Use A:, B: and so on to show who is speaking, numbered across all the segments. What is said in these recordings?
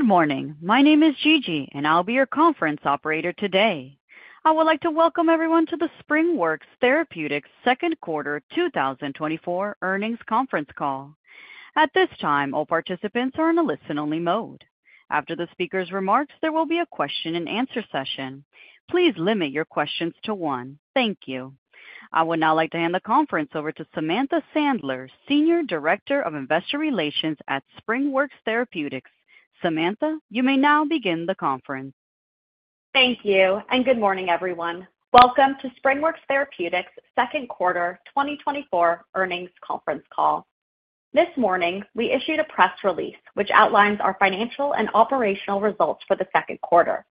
A: Good morning. My name is Gigi, and I'll be your conference operator today. I would like to welcome everyone to the SpringWorks Therapeutics second quarter 2024 earnings conference call. At this time, all participants are in a listen-only mode. After the speaker's remarks, there will be a question-and-answer session. Please limit your questions to one. Thank you. I would now like to hand the conference over to Samantha Sandler, Senior Director of Investor Relations at SpringWorks Therapeutics. Samantha, you may now begin the conference.
B: Thank you, and good morning, everyone. Welcome to SpringWorks Therapeutics second quarter 2024 earnings conference call. This morning, we issued a press release which outlines our financial and operational results for the second quarter.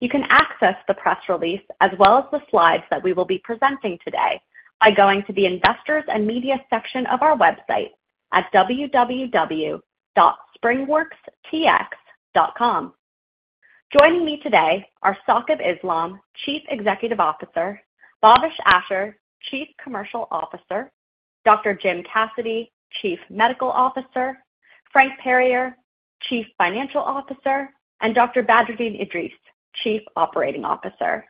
B: You can access the press release as well as the slides that we will be presenting today by going to the Investors and Media section of our website at www.springworkstx.com. Joining me today are Saqib Islam, Chief Executive Officer; Bhavesh Ashar, Chief Commercial Officer; Dr. Jim Cassidy, Chief Medical Officer; Frank Perier, Chief Financial Officer; and Dr. Badreddin Edris, Chief Operating Officer.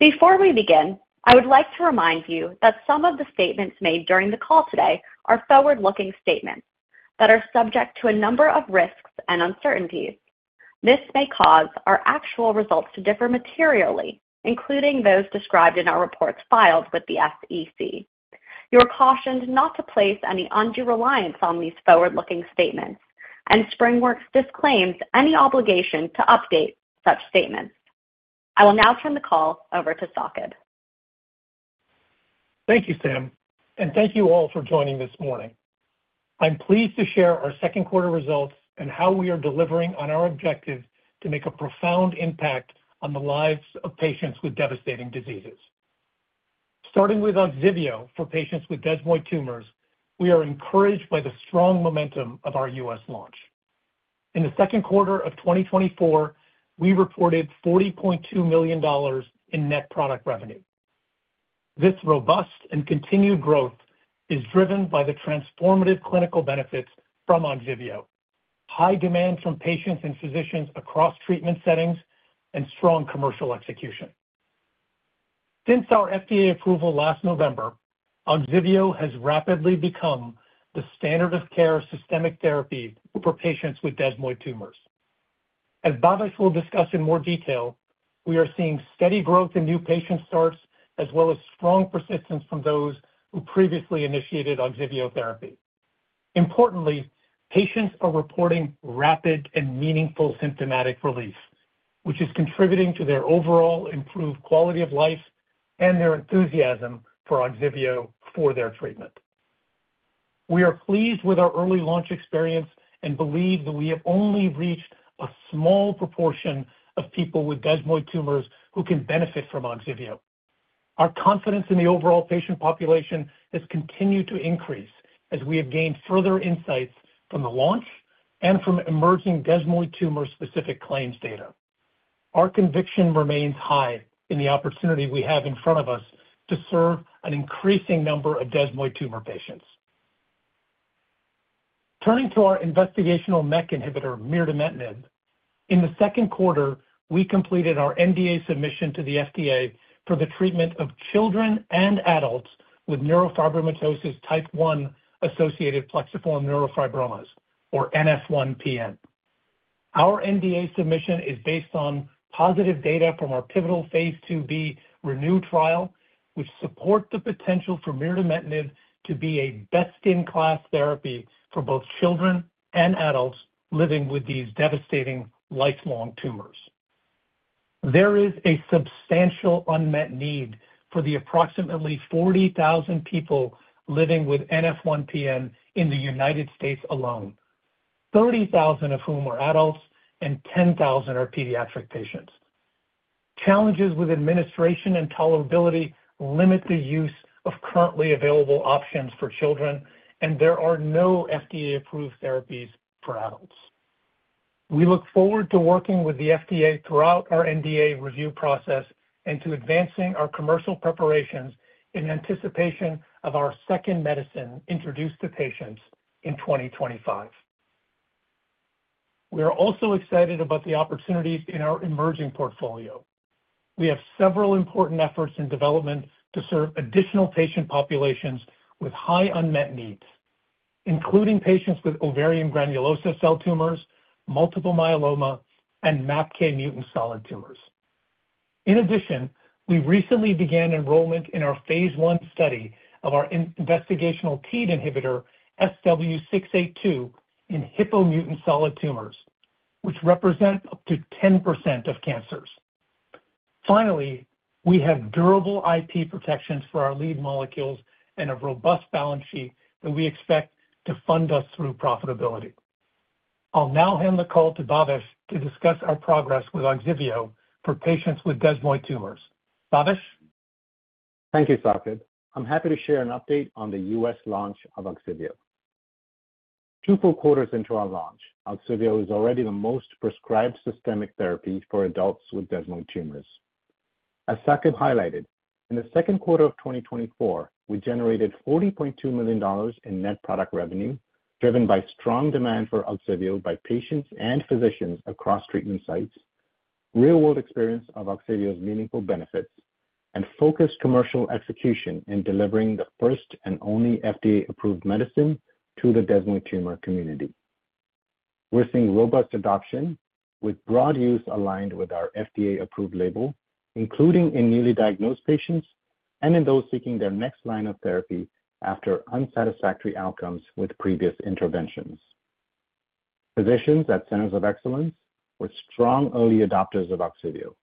B: Before we begin, I would like to remind you that some of the statements made during the call today are forward-looking statements that are subject to a number of risks and uncertainties. This may cause our actual results to differ materially, including those described in our reports filed with the SEC. You are cautioned not to place any undue reliance on these forward-looking statements, and SpringWorks disclaims any obligation to update such statements. I will now turn the call over to Saqib.
C: Thank you, Sam, and thank you all for joining this morning. I'm pleased to share our second quarter results and how we are delivering on our objective to make a profound impact on the lives of patients with devastating diseases. Starting with Ogsiveo for patients with desmoid tumors, we are encouraged by the strong momentum of our U.S. launch. In the second quarter of 2024, we reported $40.2 million in net product revenue. This robust and continued growth is driven by the transformative clinical benefits from Ogsiveo, high demand from patients and physicians across treatment settings, and strong commercial execution. Since our FDA approval last November, Ogsiveo has rapidly become the standard of care systemic therapy for patients with desmoid tumors. As Bhavesh will discuss in more detail, we are seeing steady growth in new patient starts as well as strong persistence from those who previously initiated Ogsiveo therapy. Importantly, patients are reporting rapid and meaningful symptomatic relief, which is contributing to their overall improved quality of life and their enthusiasm for Ogsiveo for their treatment. We are pleased with our early launch experience and believe that we have only reached a small proportion of people with desmoid tumors who can benefit from Ogsiveo. Our confidence in the overall patient population has continued to increase as we have gained further insights from the launch and from emerging desmoid tumor-specific claims data. Our conviction remains high in the opportunity we have in front of us to serve an increasing number of desmoid tumor patients. Turning to our investigational MEK inhibitor, mirdametinib, in the second quarter, we completed our NDA submission to the FDA for the treatment of children and adults with neurofibromatosis type 1 associated plexiform neurofibromas, or NF1-PN. Our NDA submission is based on positive data from our pivotal phase 2b ReNeu trial, which supports the potential for mirdametinib to be a best-in-class therapy for both children and adults living with these devastating lifelong tumors. There is a substantial unmet need for the approximately 40,000 people living with NF1-PN in the United States alone, 30,000 of whom are adults and 10,000 are pediatric patients. Challenges with administration and tolerability limit the use of currently available options for children, and there are no FDA-approved therapies for adults. We look forward to working with the FDA throughout our NDA review process and to advancing our commercial preparations in anticipation of our second medicine introduced to patients in 2025. We are also excited about the opportunities in our emerging portfolio. We have several important efforts in development to serve additional patient populations with high unmet needs, including patients with ovarian granulosa cell tumors, multiple myeloma, and MAPK mutant solid tumors. In addition, we recently began enrollment in our phase I study of our investigational TEAD inhibitor SW-682 in Hippo-mutant solid tumors, which represent up to 10% of cancers. Finally, we have durable IP protections for our lead molecules and a robust balance sheet that we expect to fund us through profitability. I'll now hand the call to Bhavesh to discuss our progress with Ogsiveo for patients with desmoid tumors. Bhavesh?
D: Thank you, Saqib. I'm happy to share an update on the U.S. launch of Ogsiveo. Two full quarters into our launch, Ogsiveo is already the most prescribed systemic therapy for adults with desmoid tumors. As Saqib highlighted, in the second quarter of 2024, we generated $40.2 million in net product revenue driven by strong demand for Ogsiveo by patients and physicians across treatment sites, real-world experience of Ogsiveo's meaningful benefits, and focused commercial execution in delivering the first and only FDA-approved medicine to the desmoid tumor community. We're seeing robust adoption with broad use aligned with our FDA-approved label, including in newly diagnosed patients and in those seeking their next line of therapy after unsatisfactory outcomes with previous interventions. Physicians at centers of excellence were strong early adopters of Ogsiveo.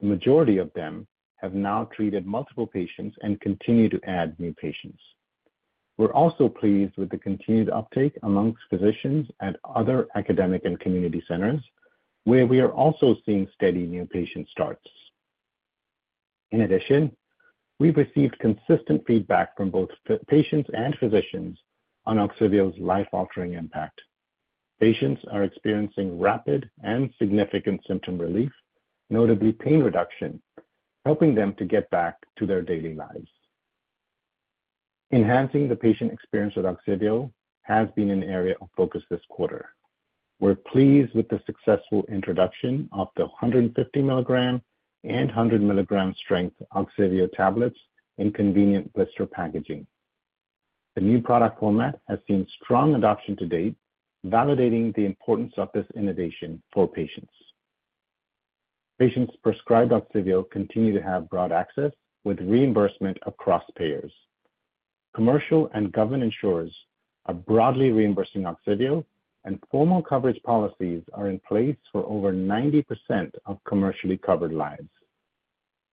D: The majority of them have now treated multiple patients and continue to add new patients. We're also pleased with the continued uptake among physicians at other academic and community centers, where we are also seeing steady new patient starts. In addition, we've received consistent feedback from both patients and physicians on Ogsiveo's life-altering impact. Patients are experiencing rapid and significant symptom relief, notably pain reduction, helping them to get back to their daily lives. Enhancing the patient experience with Ogsiveo has been an area of focus this quarter. We're pleased with the successful introduction of the 150 mg and 100 mg strength Ogsiveo tablets in convenient blister packaging. The new product format has seen strong adoption to date, validating the importance of this innovation for patients. Patients prescribed Ogsiveo continue to have broad access with reimbursement across payers. Commercial and government insurers are broadly reimbursing Ogsiveo, and formal coverage policies are in place for over 90% of commercially covered lives.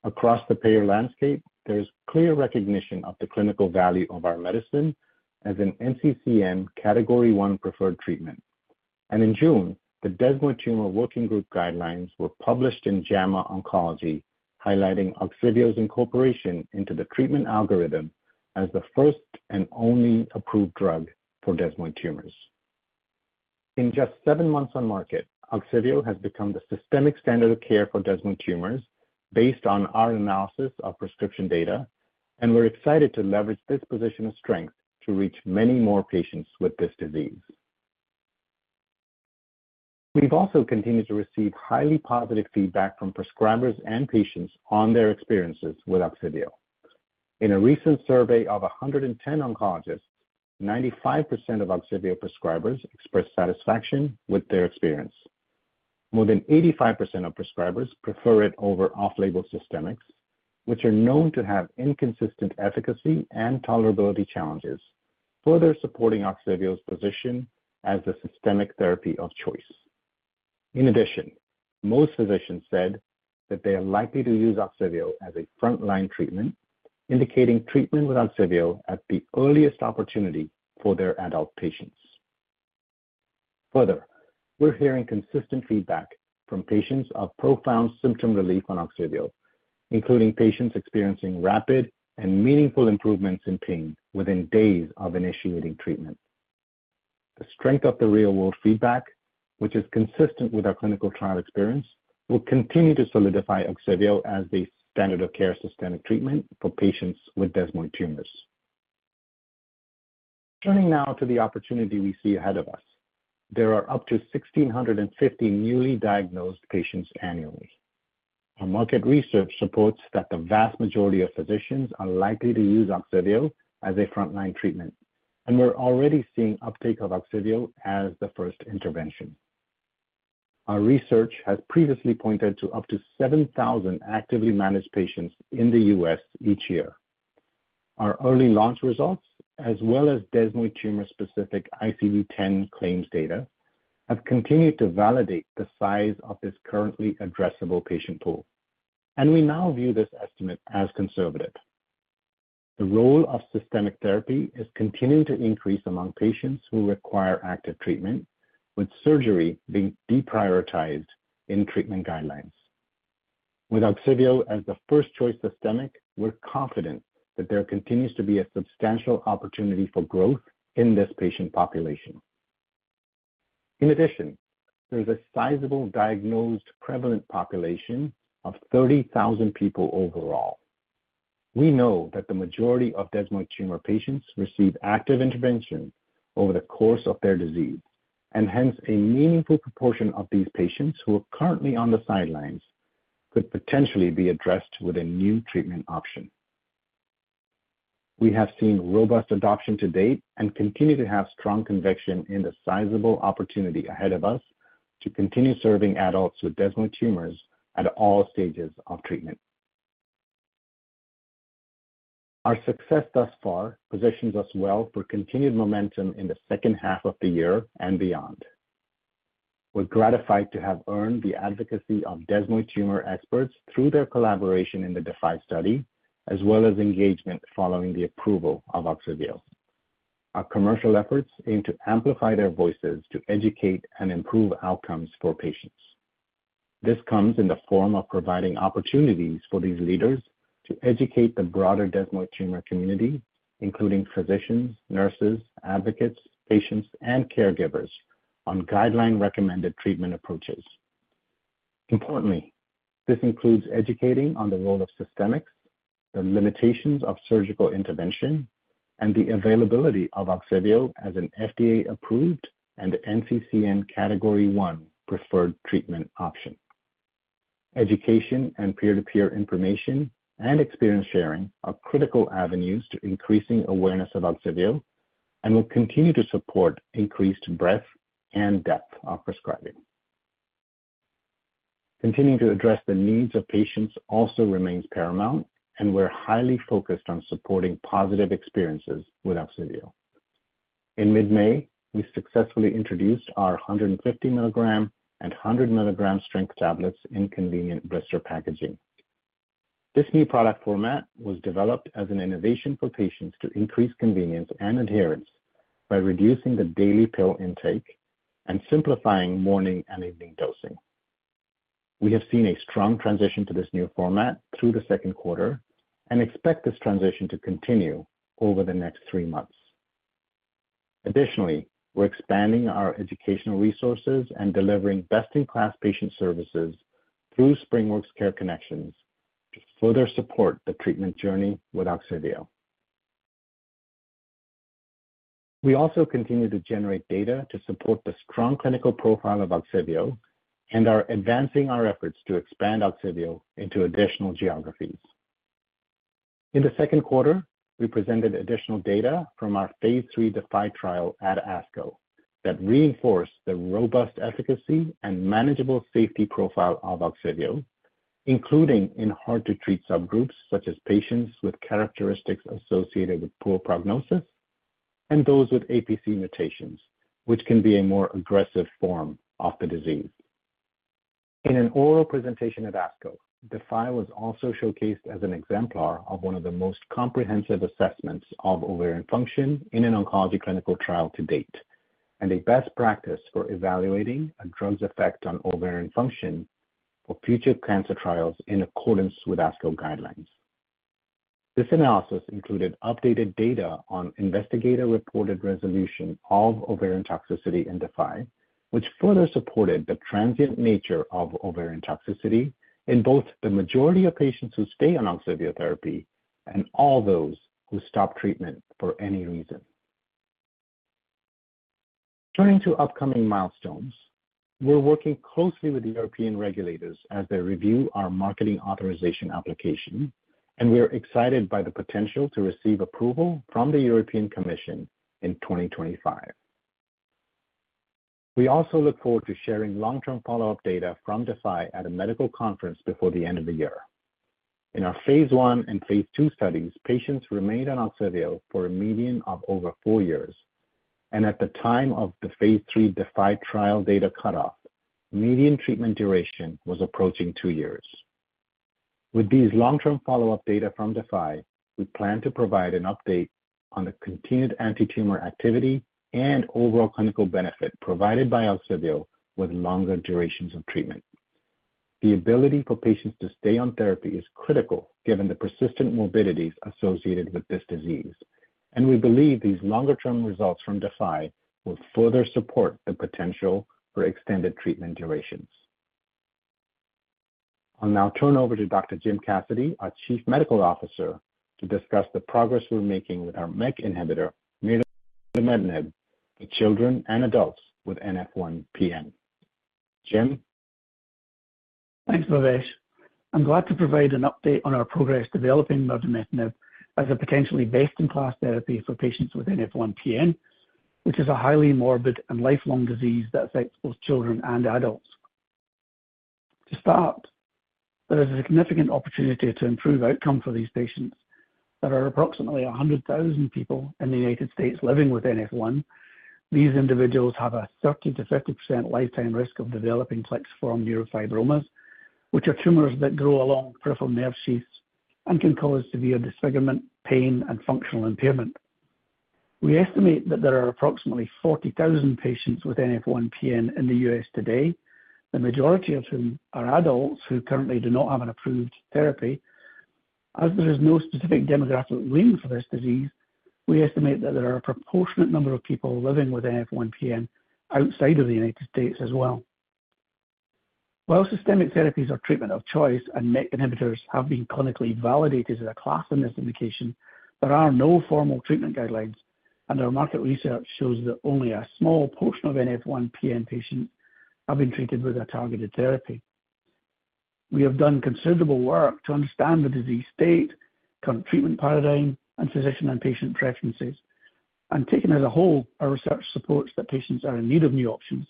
D: Across the payer landscape, there is clear recognition of the clinical value of our medicine as an NCCN Category 1 preferred treatment. In June, the Desmoid Tumor Working Group guidelines were published in JAMA Oncology, highlighting Ogsiveo's incorporation into the treatment algorithm as the first and only approved drug for desmoid tumors. In just seven months on market, Ogsiveo has become the systemic standard of care for desmoid tumors based on our analysis of prescription data, and we're excited to leverage this position of strength to reach many more patients with this disease. We've also continued to receive highly positive feedback from prescribers and patients on their experiences with Ogsiveo. In a recent survey of 110 oncologists, 95% of Ogsiveo prescribers expressed satisfaction with their experience. More than 85% of prescribers prefer it over off-label systemics, which are known to have inconsistent efficacy and tolerability challenges, further supporting Ogsiveo's position as the systemic therapy of choice. In addition, most physicians said that they are likely to use Ogsiveo as a frontline treatment, indicating treatment with Ogsiveo at the earliest opportunity for their adult patients. Further, we're hearing consistent feedback from patients of profound symptom relief on Ogsiveo, including patients experiencing rapid and meaningful improvements in pain within days of initiating treatment. The strength of the real-world feedback, which is consistent with our clinical trial experience, will continue to solidify Ogsiveo as the standard of care systemic treatment for patients with desmoid tumors. Turning now to the opportunity we see ahead of us, there are up to 1,650 newly diagnosed patients annually. Our market research supports that the vast majority of physicians are likely to use Ogsiveo as a frontline treatment, and we're already seeing uptake of Ogsiveo as the first intervention. Our research has previously pointed to up to 7,000 actively managed patients in the U.S. each year. Our early launch results, as well as desmoid tumor-specific ICD-10 claims data, have continued to validate the size of this currently addressable patient pool, and we now view this estimate as conservative. The role of systemic therapy is continuing to increase among patients who require active treatment, with surgery being deprioritized in treatment guidelines. With Ogsiveo as the first choice systemic, we're confident that there continues to be a substantial opportunity for growth in this patient population. In addition, there is a sizable diagnosed prevalent population of 30,000 people overall. We know that the majority of desmoid tumor patients receive active intervention over the course of their disease, and hence a meaningful proportion of these patients who are currently on the sidelines could potentially be addressed with a new treatment option. We have seen robust adoption to date and continue to have strong conviction in the sizable opportunity ahead of us to continue serving adults with desmoid tumors at all stages of treatment. Our success thus far positions us well for continued momentum in the second half of the year and beyond. We're gratified to have earned the advocacy of desmoid tumor experts through their collaboration in the DeFi study, as well as engagement following the approval of Ogsiveo. Our commercial efforts aim to amplify their voices to educate and improve outcomes for patients. This comes in the form of providing opportunities for these leaders to educate the broader desmoid tumor community, including physicians, nurses, advocates, patients, and caregivers on guideline-recommended treatment approaches. Importantly, this includes educating on the role of systemics, the limitations of surgical intervention, and the availability of Ogsiveo as an FDA-approved and NCCN Category 1 preferred treatment option. Education and peer-to-peer information and experience sharing are critical avenues to increasing awareness of Ogsiveo and will continue to support increased breadth and depth of prescribing. Continuing to address the needs of patients also remains paramount, and we're highly focused on supporting positive experiences with Ogsiveo. In mid-May, we successfully introduced our 150 mg and 100 mg strength tablets in convenient blister packaging. This new product format was developed as an innovation for patients to increase convenience and adherence by reducing the daily pill intake and simplifying morning and evening dosing. We have seen a strong transition to this new format through the second quarter and expect this transition to continue over the next three months. Additionally, we're expanding our educational resources and delivering best-in-class patient services through SpringWorks CareConnections to further support the treatment journey with Ogsiveo. We also continue to generate data to support the strong clinical profile of Ogsiveo, and we are advancing our efforts to expand Ogsiveo into additional geographies. In the second quarter, we presented additional data from our phase 3 DeFi trial at ASCO that reinforced the robust efficacy and manageable safety profile of Ogsiveo, including in hard-to-treat subgroups such as patients with characteristics associated with poor prognosis and those with APC mutations, which can be a more aggressive form of the disease. In an oral presentation at ASCO, DeFi was also showcased as an exemplar of one of the most comprehensive assessments of ovarian function in an oncology clinical trial to date and a best practice for evaluating a drug's effect on ovarian function for future cancer trials in accordance with ASCO guidelines. This analysis included updated data on investigator-reported resolution of ovarian toxicity in DeFi, which further supported the transient nature of ovarian toxicity in both the majority of patients who stay on Ogsiveo therapy and all those who stop treatment for any reason. Turning to upcoming milestones, we're working closely with European regulators as they review our marketing authorization application, and we're excited by the potential to receive approval from the European Commission in 2025. We also look forward to sharing long-term follow-up data from DeFi at a medical conference before the end of the year. In our phase I and phase II studies, patients remained on Ogsiveo for a median of over four years, and at the time of the phase 3 DeFi trial data cutoff, median treatment duration was approaching two years. With these long-term follow-up data from DeFi, we plan to provide an update on the continued anti-tumor activity and overall clinical benefit provided by Ogsiveo with longer durations of treatment. The ability for patients to stay on therapy is critical given the persistent morbidities associated with this disease, and we believe these longer-term results from DeFi will further support the potential for extended treatment durations. I'll now turn over to Dr. Jim Cassidy, our Chief Medical Officer, to discuss the progress we're making with our MEK inhibitor, mirdametinib, for children and adults with NF1-PN. Jim?
E: Thanks, Bhavesh. I'm glad to provide an update on our progress developing mirdametinib as a potentially best-in-class therapy for patients with NF1-PN, which is a highly morbid and lifelong disease that affects both children and adults. To start, there is a significant opportunity to improve outcome for these patients. There are approximately 100,000 people in the United States living with NF1. These individuals have a 30%-50% lifetime risk of developing plexiform neurofibromas, which are tumors that grow along peripheral nerve sheaths and can cause severe disfigurement, pain, and functional impairment. We estimate that there are approximately 40,000 patients with NF1-PN in the U.S. today, the majority of whom are adults who currently do not have an approved therapy. As there is no specific demographic link for this disease, we estimate that there are a proportionate number of people living with NF1-PN outside of the United States as well. While systemic therapies are treatment of choice and MEK inhibitors have been clinically validated as a class of this indication, there are no formal treatment guidelines, and our market research shows that only a small portion of NF1-PN patients have been treated with a targeted therapy. We have done considerable work to understand the disease state, current treatment paradigm, and physician and patient preferences, and taken as a whole, our research supports that patients are in need of new options.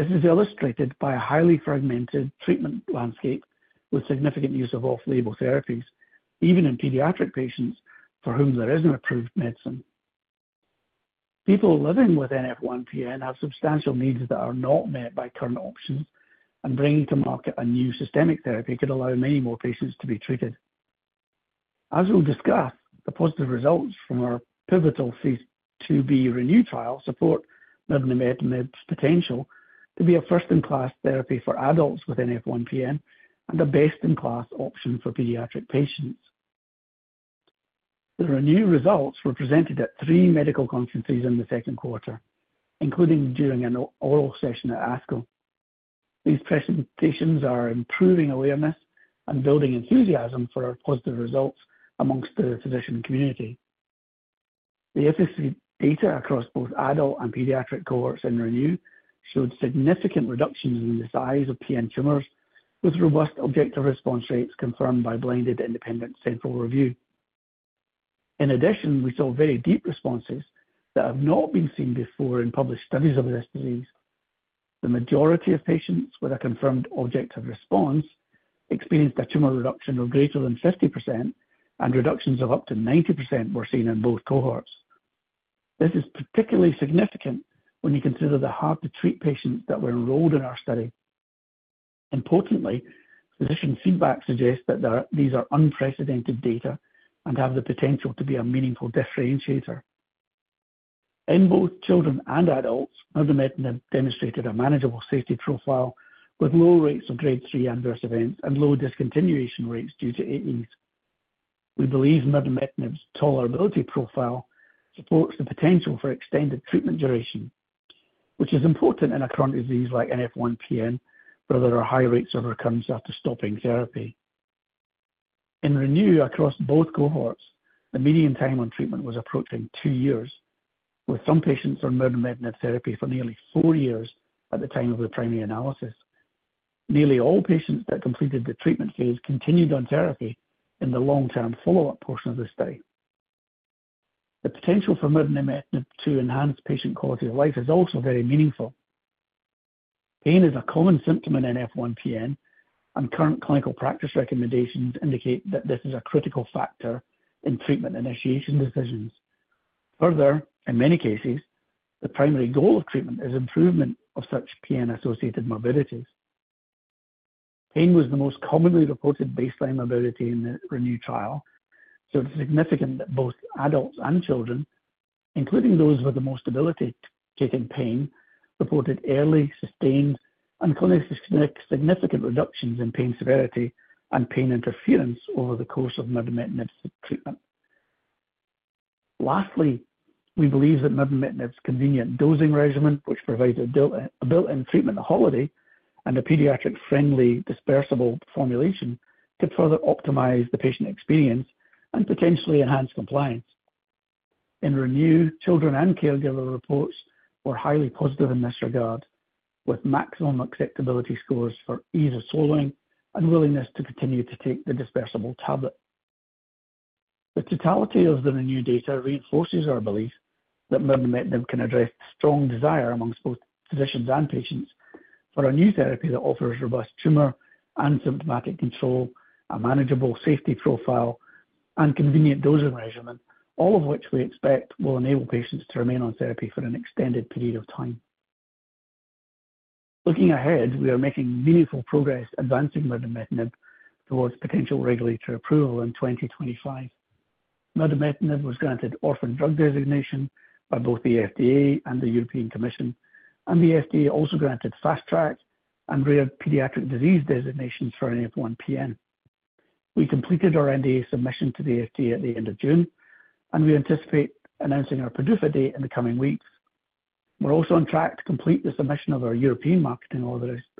E: This is illustrated by a highly fragmented treatment landscape with significant use of off-label therapies, even in pediatric patients for whom there is no approved medicine. People living with NF1-PN have substantial needs that are not met by current options, and bringing to market a new systemic therapy could allow many more patients to be treated. As we'll discuss, the positive results from our pivotal phase 2b ReNeu trial support mirdametinib's potential to be a first-in-class therapy for adults with NF1-PN and a best-in-class option for pediatric patients. The ReNeu results were presented at three medical conferences in the second quarter, including during an oral session at ASCO. These presentations are improving awareness and building enthusiasm for our positive results among the physician community. The efficacy data across both adult and pediatric cohorts in ReNeu showed significant reductions in the size of PN tumors, with robust objective response rates confirmed by blinded independent central review. In addition, we saw very deep responses that have not been seen before in published studies of this disease. The majority of patients with a confirmed objective response experienced a tumor reduction of greater than 50%, and reductions of up to 90% were seen in both cohorts. This is particularly significant when you consider the hard-to-treat patients that were enrolled in our study. Importantly, physician feedback suggests that these are unprecedented data and have the potential to be a meaningful differentiator. In both children and adults, mirdametinib demonstrated a manageable safety profile with low rates of grade 3 adverse events and low discontinuation rates due to AEs. We believe mirdametinib's tolerability profile supports the potential for extended treatment duration, which is important in a chronic disease like NF1-PN where there are high rates of recurrence after stopping therapy. In ReNeu, across both cohorts, the median time on treatment was approaching two years, with some patients on mirdametinib therapy for nearly four years at the time of the primary analysis. Nearly all patients that completed the treatment phase continued on therapy in the long-term follow-up portion of the study. The potential for mirdametinib to enhance patient quality of life is also very meaningful. Pain is a common symptom in NF1-PN, and current clinical practice recommendations indicate that this is a critical factor in treatment initiation decisions. Further, in many cases, the primary goal of treatment is improvement of such PN-associated morbidities. Pain was the most commonly reported baseline morbidity in the ReNeu trial, so it's significant that both adults and children, including those with the most debilitating pain, reported early, sustained, and clinically significant reductions in pain severity and pain interference over the course of mirdametinib's treatment. Lastly, we believe that mirdametinib's convenient dosing regimen, which provides a built-in treatment holiday and a pediatric-friendly dispersible formulation, could further optimize the patient experience and potentially enhance compliance. In ReNeu, children and caregiver reports were highly positive in this regard, with maximum acceptability scores for ease of swallowing and willingness to continue to take the dispersible tablet. The totality of the ReNeu data reinforces our belief that mirdametinib can address the strong desire among both physicians and patients for a new therapy that offers robust tumor and symptomatic control, a manageable safety profile, and convenient dosing regimen, all of which we expect will enable patients to remain on therapy for an extended period of time. Looking ahead, we are making meaningful progress advancing mirdametinib towards potential regulatory approval in 2025. Mirdametinib was granted orphan drug designation by both the FDA and the European Commission, and the FDA also granted fast track and rare pediatric disease designations for NF1-PN. We completed our NDA submission to the FDA at the end of June, and we anticipate announcing our PDUFA date in the coming weeks. We're also on track to complete the submission of our European marketing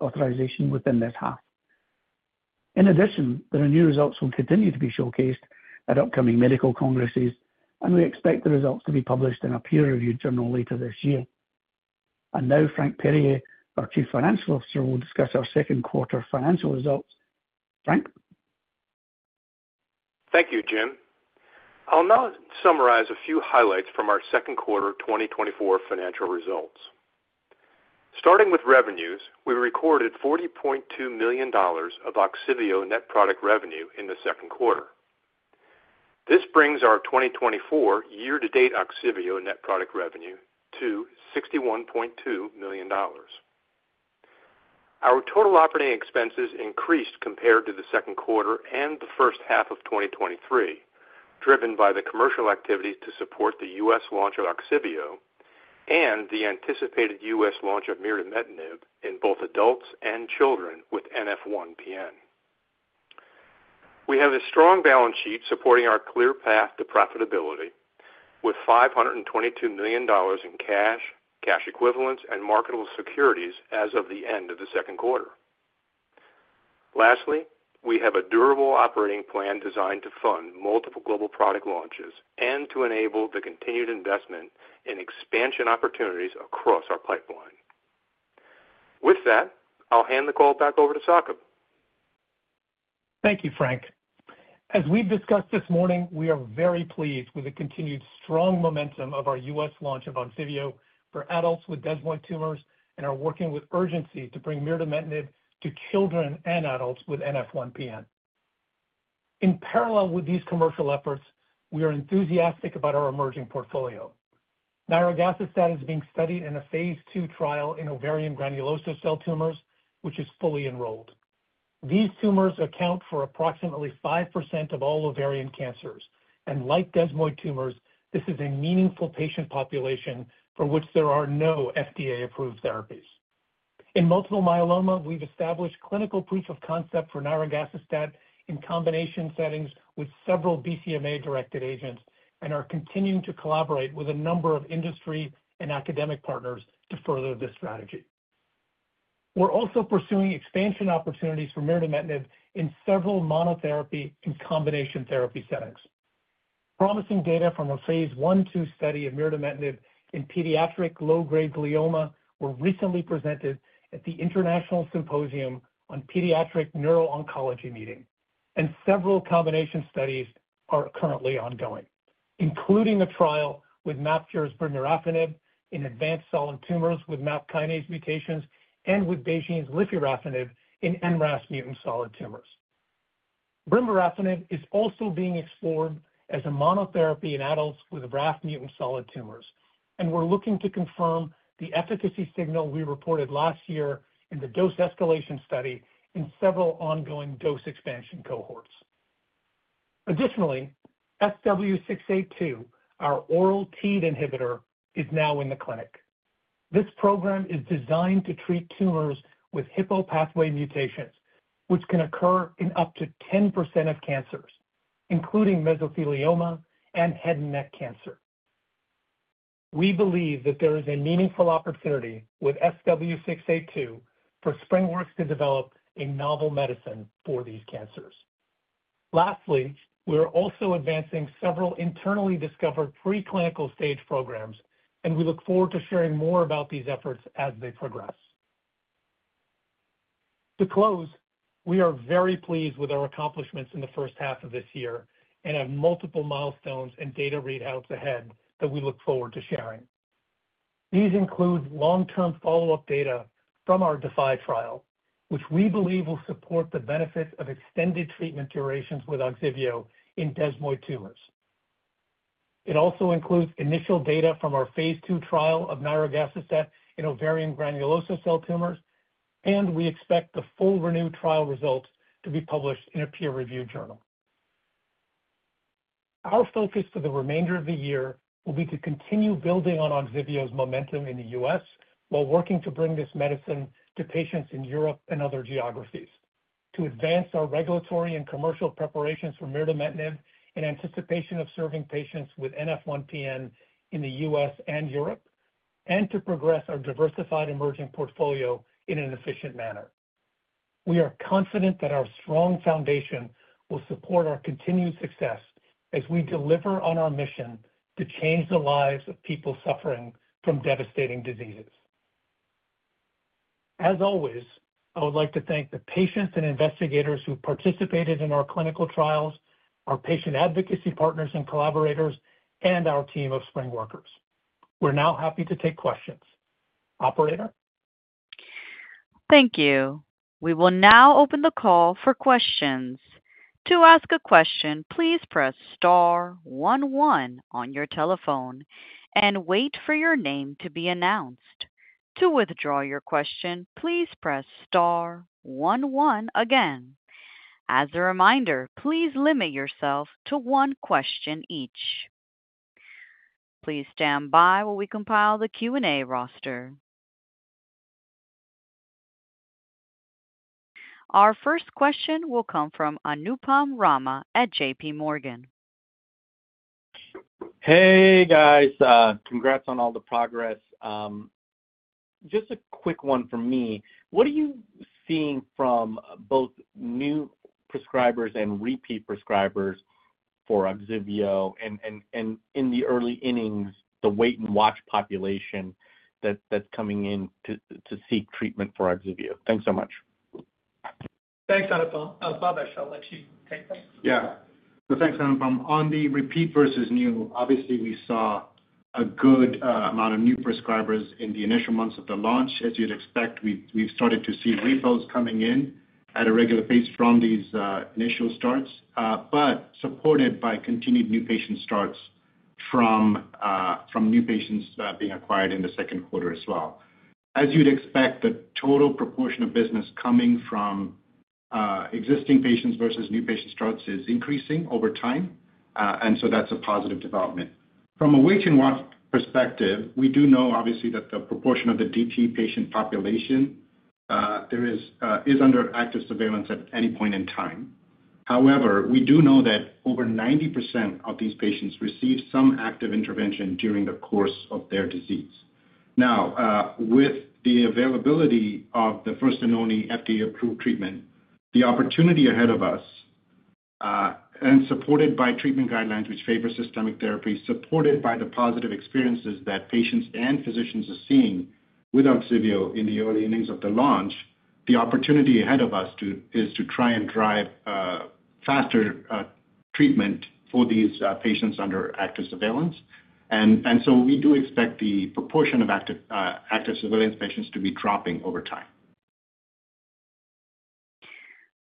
E: authorization within this half. In addition, the ReNeu results will continue to be showcased at upcoming medical congresses, and we expect the results to be published in a peer-reviewed journal later this year. Now, Frank Perier, our Chief Financial Officer, will discuss our second quarter financial results. Frank?
F: Thank you, Jim. I'll now summarize a few highlights from our second quarter 2024 financial results. Starting with revenues, we recorded $40.2 million of Ogsiveo net product revenue in the second quarter. This brings our 2024 year-to-date Ogsiveo net product revenue to $61.2 million. Our total operating expenses increased compared to the second quarter and the first half of 2023, driven by the commercial activities to support the U.S. launch of Ogsiveo and the anticipated U.S. launch of mirdametinib in both adults and children with NF1-PN. We have a strong balance sheet supporting our clear path to profitability with $522 million in cash, cash equivalents, and marketable securities as of the end of the second quarter. Lastly, we have a durable operating plan designed to fund multiple global product launches and to enable the continued investment in expansion opportunities across our pipeline. With that, I'll hand the call back over to Saqib.
C: Thank you, Frank. As we've discussed this morning, we are very pleased with the continued strong momentum of our U.S. launch of Ogsiveo for adults with desmoid tumors and are working with urgency to bring mirdametinib to children and adults with NF1-PN. In parallel with these commercial efforts, we are enthusiastic about our emerging portfolio. Nirogacestat is being studied in a phase 2 trial in ovarian granulosa cell tumors, which is fully enrolled. These tumors account for approximately 5% of all ovarian cancers, and like desmoid tumors, this is a meaningful patient population for which there are no FDA-approved therapies. In multiple myeloma, we've established clinical proof of concept for nirogacestat in combination settings with several BCMA-directed agents and are continuing to collaborate with a number of industry and academic partners to further this strategy. We're also pursuing expansion opportunities for mirdametinib in several monotherapy and combination therapy settings. Promising data from a phase I-II study of mirdametinib in pediatric low-grade glioma were recently presented at the International Symposium on Pediatric Neuro-Oncology meeting, and several combination studies are currently ongoing, including a trial with MapKure's brimarafenib in advanced solid tumors with MAP kinase mutations and with BeiGene's lifurafenib in NRAS mutant solid tumors. brimarafenib is also being explored as a monotherapy in adults with RAS mutant solid tumors, and we're looking to confirm the efficacy signal we reported last year in the dose escalation study in several ongoing dose expansion cohorts. Additionally, SW-682, our oral TEAD inhibitor, is now in the clinic. This program is designed to treat tumors with Hippo pathway mutations, which can occur in up to 10% of cancers, including mesothelioma and head and neck cancer. We believe that there is a meaningful opportunity with SW-682 for SpringWorks to develop a novel medicine for these cancers. Lastly, we are also advancing several internally discovered preclinical stage programs, and we look forward to sharing more about these efforts as they progress. To close, we are very pleased with our accomplishments in the first half of this year and have multiple milestones and data readouts ahead that we look forward to sharing. These include long-term follow-up data from our DeFi trial, which we believe will support the benefits of extended treatment durations with Ogsiveo in desmoid tumors. It also includes initial data from our phase 2 trial of nirogacestat in ovarian granulosa cell tumors, and we expect the full ReNeu trial results to be published in a peer-reviewed journal. Our focus for the remainder of the year will be to continue building on Ogsiveo's momentum in the U.S. while working to bring this medicine to patients in Europe and other geographies, to advance our regulatory and commercial preparations for mirdametinib in anticipation of serving patients with NF1-PN in the U.S. and Europe, and to progress our diversified emerging portfolio in an efficient manner. We are confident that our strong foundation will support our continued success as we deliver on our mission to change the lives of people suffering from devastating diseases. As always, I would like to thank the patients and investigators who participated in our clinical trials, our patient advocacy partners and collaborators, and our team of SpringWorkers. We're now happy to take questions. Operator?
A: Thank you. We will now open the call for questions. To ask a question, please press star 11 on your telephone and wait for your name to be announced. To withdraw your question, please press star 11 again. As a reminder, please limit yourself to one question each. Please stand by while we compile the Q&A roster. Our first question will come from Anupam Rama at JPMorgan.
G: Hey, guys. Congrats on all the progress. Just a quick one from me. What are you seeing from both new prescribers and repeat prescribers for Ogsiveo and in the early innings, the wait-and-watch population that's coming in to seek treatment for Ogsiveo? Thanks so much.
C: Thanks, Anupam. Bhavesh, I'll let you take that.
D: Yeah. So thanks, Anupam. On the repeat versus new, obviously, we saw a good amount of new prescribers in the initial months of the launch. As you'd expect, we've started to see refills coming in at a regular pace from these initial starts, but supported by continued new patient starts from new patients being acquired in the second quarter as well. As you'd expect, the total proportion of business coming from existing patients versus new patient starts is increasing over time, and so that's a positive development. From a wait-and-watch perspective, we do know, obviously, that the proportion of the DT patient population is under active surveillance at any point in time. However, we do know that over 90% of these patients receive some active intervention during the course of their disease. Now, with the availability of the first and only FDA-approved treatment, the opportunity ahead of us, and supported by treatment guidelines which favor systemic therapy, supported by the positive experiences that patients and physicians are seeing with Ogsiveo in the early innings of the launch, the opportunity ahead of us is to try and drive faster treatment for these patients under active surveillance. And so we do expect the proportion of active surveillance patients to be dropping over time.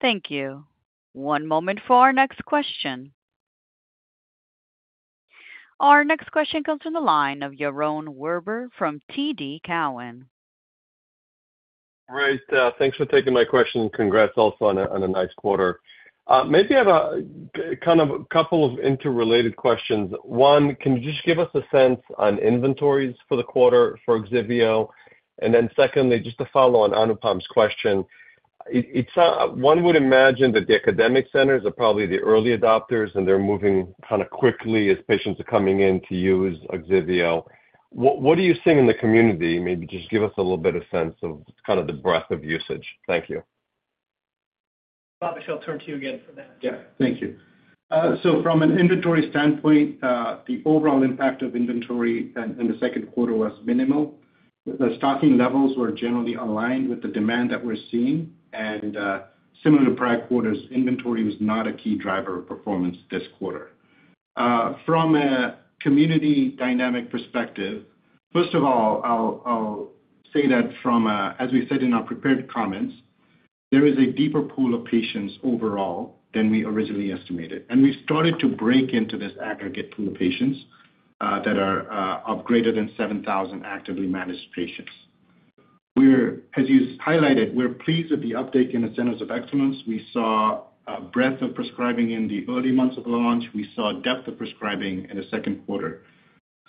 A: Thank you. One moment for our next question. Our next question comes from the line of Yaron Werber from TD Cowen.
C: Right. Thanks for taking my question. Congrats also on a nice quarter. Maybe I have kind of a couple of interrelated questions. One, can you just give us a sense on inventories for the quarter for Ogsiveo? And then secondly, just to follow on Anupam's question, one would imagine that the academic centers are probably the early adopters, and they're moving kind of quickly as patients are coming in to use Ogsiveo. What are you seeing in the community? Maybe just give us a little bit of sense of kind of the breadth of usage. Thank you. Bhavesh, I'll turn to you again for that.
D: Yeah. Thank you. So from an inventory standpoint, the overall impact of inventory in the second quarter was minimal. The stocking levels were generally aligned with the demand that we're seeing. Similar to prior quarters, inventory was not a key driver of performance this quarter. From a community dynamic perspective, first of all, I'll say that, as we said in our prepared comments, there is a deeper pool of patients overall than we originally estimated. We've started to break into this aggregate pool of patients that are greater than 7,000 actively managed patients. As you highlighted, we're pleased with the uptake in the centers of excellence. We saw breadth of prescribing in the early months of the launch. We saw depth of prescribing in the second quarter.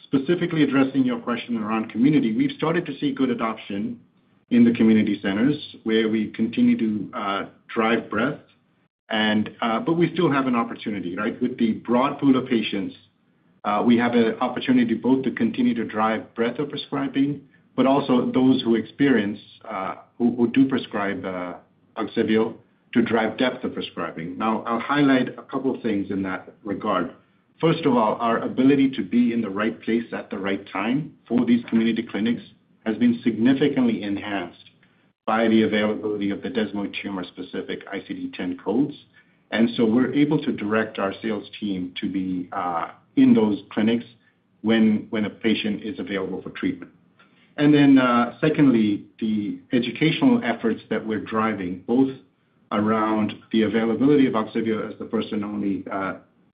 D: Specifically addressing your question around community, we've started to see good adoption in the community centers where we continue to drive breadth. But we still have an opportunity, right? With the broad pool of patients, we have an opportunity both to continue to drive breadth of prescribing, but also those who experience, who do prescribe Ogsiveo, to drive depth of prescribing. Now, I'll highlight a couple of things in that regard. First of all, our ability to be in the right place at the right time for these community clinics has been significantly enhanced by the availability of the desmoid tumor-specific ICD-10 codes. And so we're able to direct our sales team to be in those clinics when a patient is available for treatment. And then secondly, the educational efforts that we're driving both around the availability of Ogsiveo as the first and only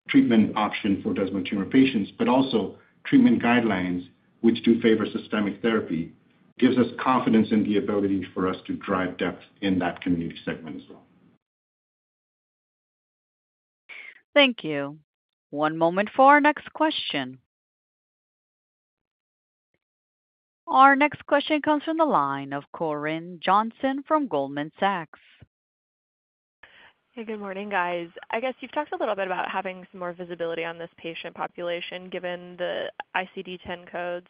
D: treatment option for desmoid tumor patients, but also treatment guidelines which do favor systemic therapy, gives us confidence in the ability for us to drive depth in that community segment as well.
A: Thank you. One moment for our next question. Our next question comes from the line of Corinne Johnson from Goldman Sachs.
H: Hey, good morning, guys. I guess you've talked a little bit about having some more visibility on this patient population given the ICD-10 codes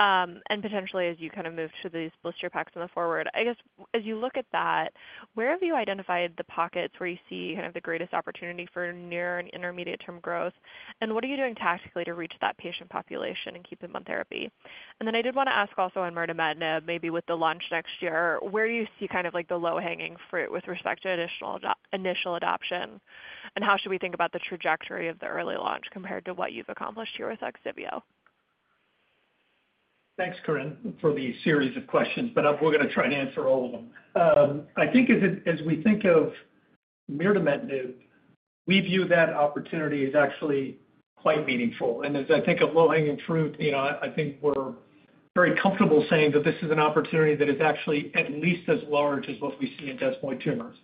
H: and potentially as you kind of move to these blister packs in the future. I guess as you look at that, where have you identified the pockets where you see kind of the greatest opportunity for near- and intermediate-term growth? And what are you doing tactically to reach that patient population and keep them on therapy? And then I did want to ask also on mirdametinib, maybe with the launch next year, where do you see kind of like the low-hanging fruit with respect to initial adoption? And how should we think about the trajectory of the early launch compared to what you've accomplished here with Ogsiveo?
C: Thanks, Corinne, for the series of questions, but we're going to try and answer all of them. I think as we think of mirdametinib, we view that opportunity as actually quite meaningful. And as I think of low-hanging fruit, I think we're very comfortable saying that this is an opportunity that is actually at least as large as what we see in desmoid tumors.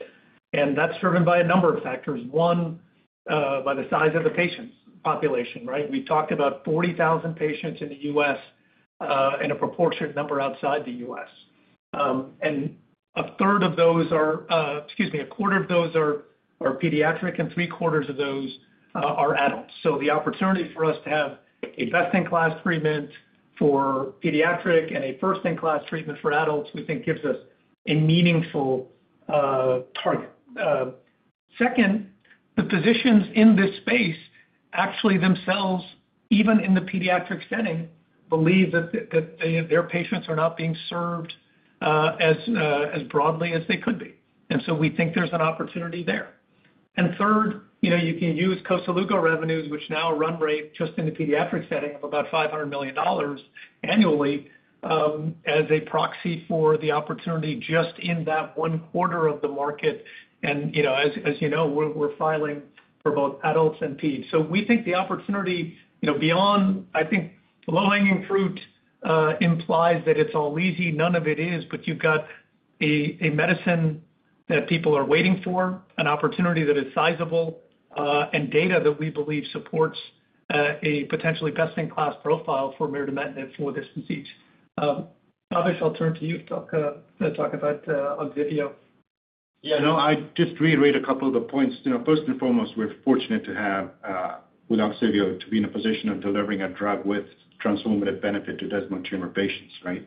C: And that's driven by a number of factors. One, by the size of the patient population, right? We've talked about 40,000 patients in the U.S. and a proportionate number outside the U.S. And a third of those are, excuse me, a quarter of those are pediatric, and three-quarters of those are adults. So the opportunity for us to have a best-in-class treatment for pediatric and a first-in-class treatment for adults, we think gives us a meaningful target. Second, the physicians in this space actually themselves, even in the pediatric setting, believe that their patients are not being served as broadly as they could be. And so we think there's an opportunity there. And third, you can use Koselugo revenues, which now run rate just in the pediatric setting of about $500 million annually as a proxy for the opportunity just in that one quarter of the market. And as you know, we're filing for both adults and peds. So we think the opportunity beyond, I think low-hanging fruit implies that it's all easy. None of it is, but you've got a medicine that people are waiting for, an opportunity that is sizable, and data that we believe supports a potentially best-in-class profile for mirdametinib for this disease. Bhavesh, I'll turn to you to talk about Ogsiveo.
D: Yeah. No, I just reiterate a couple of the points. First and foremost, we're fortunate to have with Ogsiveo to be in a position of delivering a drug with transformative benefit to desmoid tumor patients, right?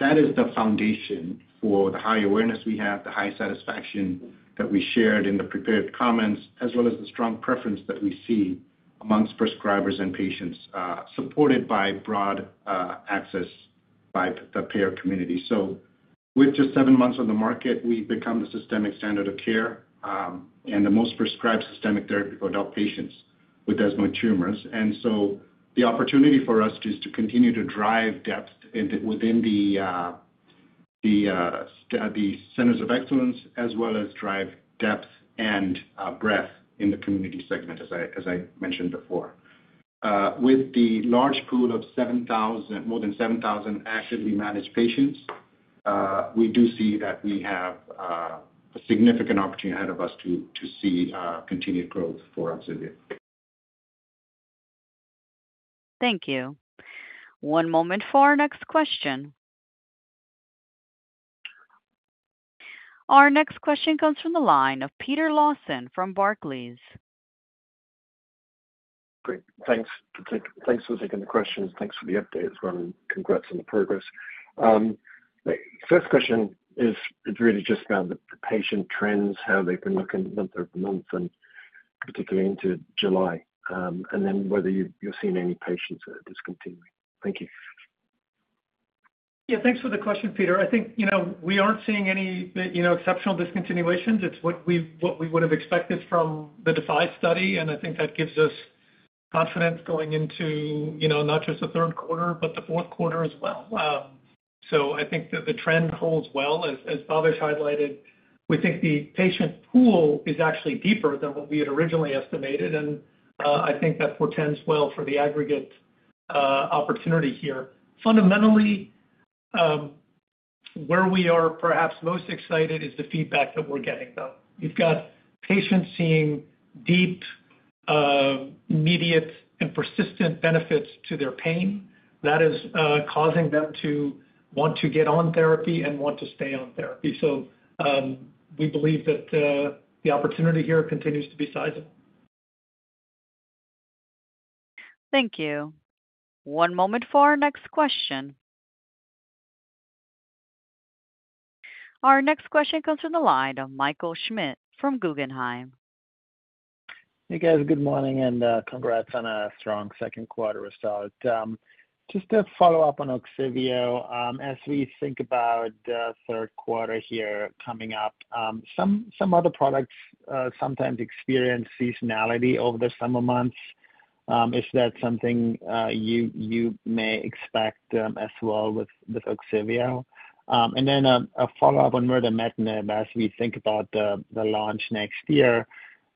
D: That is the foundation for the high awareness we have, the high satisfaction that we shared in the prepared comments, as well as the strong preference that we see amongst prescribers and patients supported by broad access by the payer community. So with just seven months on the market, we've become the systemic standard of care and the most prescribed systemic therapy for adult patients with desmoid tumors. And so the opportunity for us is to continue to drive depth within the centers of excellence, as well as drive depth and breadth in the community segment, as I mentioned before. With the large pool of more than 7,000 actively managed patients, we do see that we have a significant opportunity ahead of us to see continued growth for Ogsiveo.
A: Thank you. One moment for our next question. Our next question comes from the line of Peter Lawson from Barclays.
I: Great. Thanks. Thanks for taking the questions. Thanks for the update as well. And congrats on the progress. First question is really just around the patient trends, how they've been looking month-over-month, and particularly into July, and then whether you're seeing any patients discontinuing. Thank you.
C: Yeah. Thanks for the question, Peter. I think we aren't seeing any exceptional discontinuations. It's what we would have expected from the DeFi study. And I think that gives us confidence going into not just the third quarter, but the fourth quarter as well. So I think that the trend holds well. As Bhavesh highlighted, we think the patient pool is actually deeper than what we had originally estimated. And I think that portends well for the aggregate opportunity here. Fundamentally, where we are perhaps most excited is the feedback that we're getting, though. You've got patients seeing deep, immediate, and persistent benefits to their pain that is causing them to want to get on therapy and want to stay on therapy. So we believe that the opportunity here continues to be sizable.
A: Thank you. One moment for our next question. Our next question comes from the line of Michael Schmidt from Guggenheim.
J: Hey, guys. Good morning and congrats on a strong second quarter result. Just to follow up on Ogsiveo, as we think about the third quarter here coming up, some other products sometimes experience seasonality over the summer months. Is that something you may expect as well with Ogsiveo? And then a follow-up on mirdametinib as we think about the launch next year.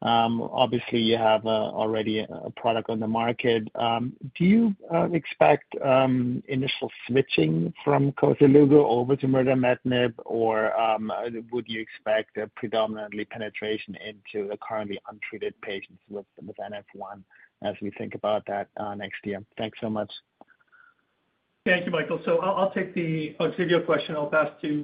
J: Obviously, you have already a product on the market. Do you expect initial switching from Koselugo over to mirdametinib, or would you expect predominantly penetration into the currently untreated patients with NF1-PN as we think about that next year? Thanks so much.
C: Thank you, Michael. So I'll take the Ogsiveo question. I'll pass to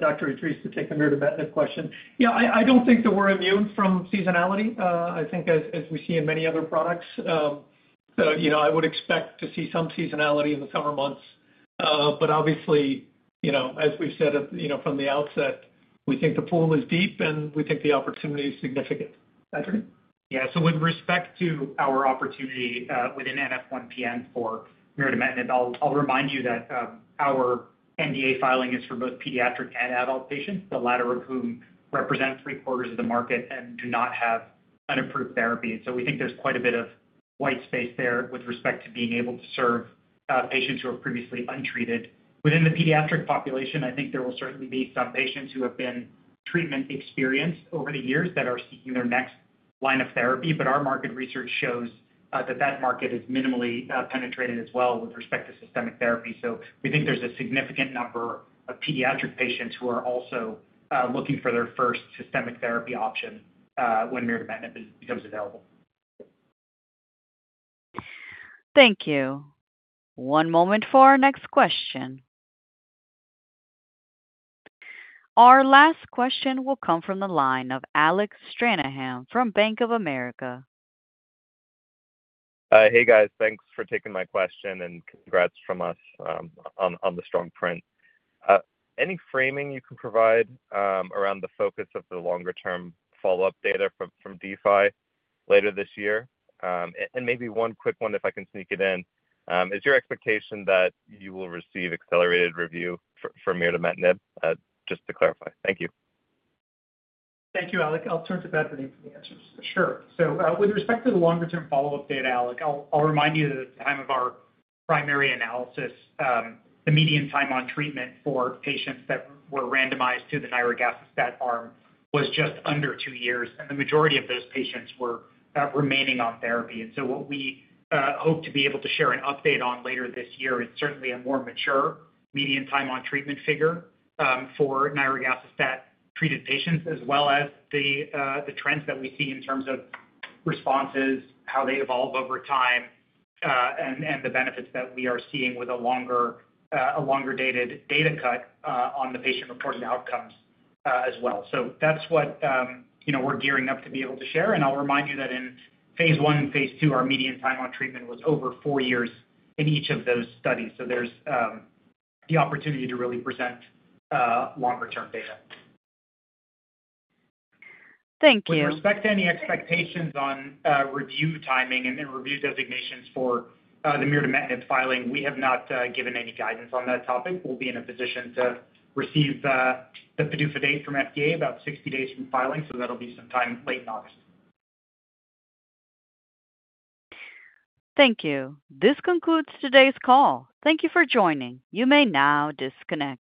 C: Dr. Edris to take the mirdametinib question. Yeah, I don't think that we're immune from seasonality. I think as we see in many other products, I would expect to see some seasonality in the summer months. But obviously, as we've said from the outset, we think the pool is deep, and we think the opportunity is significant. Badreddin?
K: Yeah. So with respect to our opportunity within NF1-PN for mirdametinib, I'll remind you that our NDA filing is for both pediatric and adult patients, the latter of whom represent three-quarters of the market and do not have an approved therapy. And so we think there's quite a bit of white space there with respect to being able to serve patients who are previously untreated. Within the pediatric population, I think there will certainly be some patients who have been treatment experienced over the years that are seeking their next line of therapy. But our market research shows that that market is minimally penetrated as well with respect to systemic therapy. So we think there's a significant number of pediatric patients who are also looking for their first systemic therapy option when mirdametinib becomes available.
A: Thank you. One moment for our next question. Our last question will come from the line of Alec Stranahan from Bank of America.
L: Hey, guys. Thanks for taking my question and congrats from us on the strong print. Any framing you can provide around the focus of the longer-term follow-up data from DeFi later this year? Maybe one quick one if I can sneak it in. Is your expectation that you will receive accelerated review for mirdametinib? Just to clarify. Thank you.
C: Thank you, Alec. I'll turn to Badreddin for the answers.
K: Sure. So with respect to the longer-term follow-up data, Alec, I'll remind you that at the time of our primary analysis, the median time on treatment for patients that were randomized to the nirogacestat arm was just under two years. And the majority of those patients were remaining on therapy. And so what we hope to be able to share an update on later this year is certainly a more mature median time on treatment figure for nirogacestat-treated patients, as well as the trends that we see in terms of responses, how they evolve over time, and the benefits that we are seeing with a longer-dated data cut on the patient-reported outcomes as well. So that's what we're gearing up to be able to share. I'll remind you that in phase I and phase II, our median time on treatment was over 4 years in each of those studies. There's the opportunity to really present longer-term data.
A: Thank you.
K: With respect to any expectations on review timing and review designations for the mirdametinib filing, we have not given any guidance on that topic. We'll be in a position to receive the PDUFA date from FDA about 60 days from filing. That'll be sometime late in August.
A: Thank you. This concludes today's call. Thank you for joining. You may now disconnect.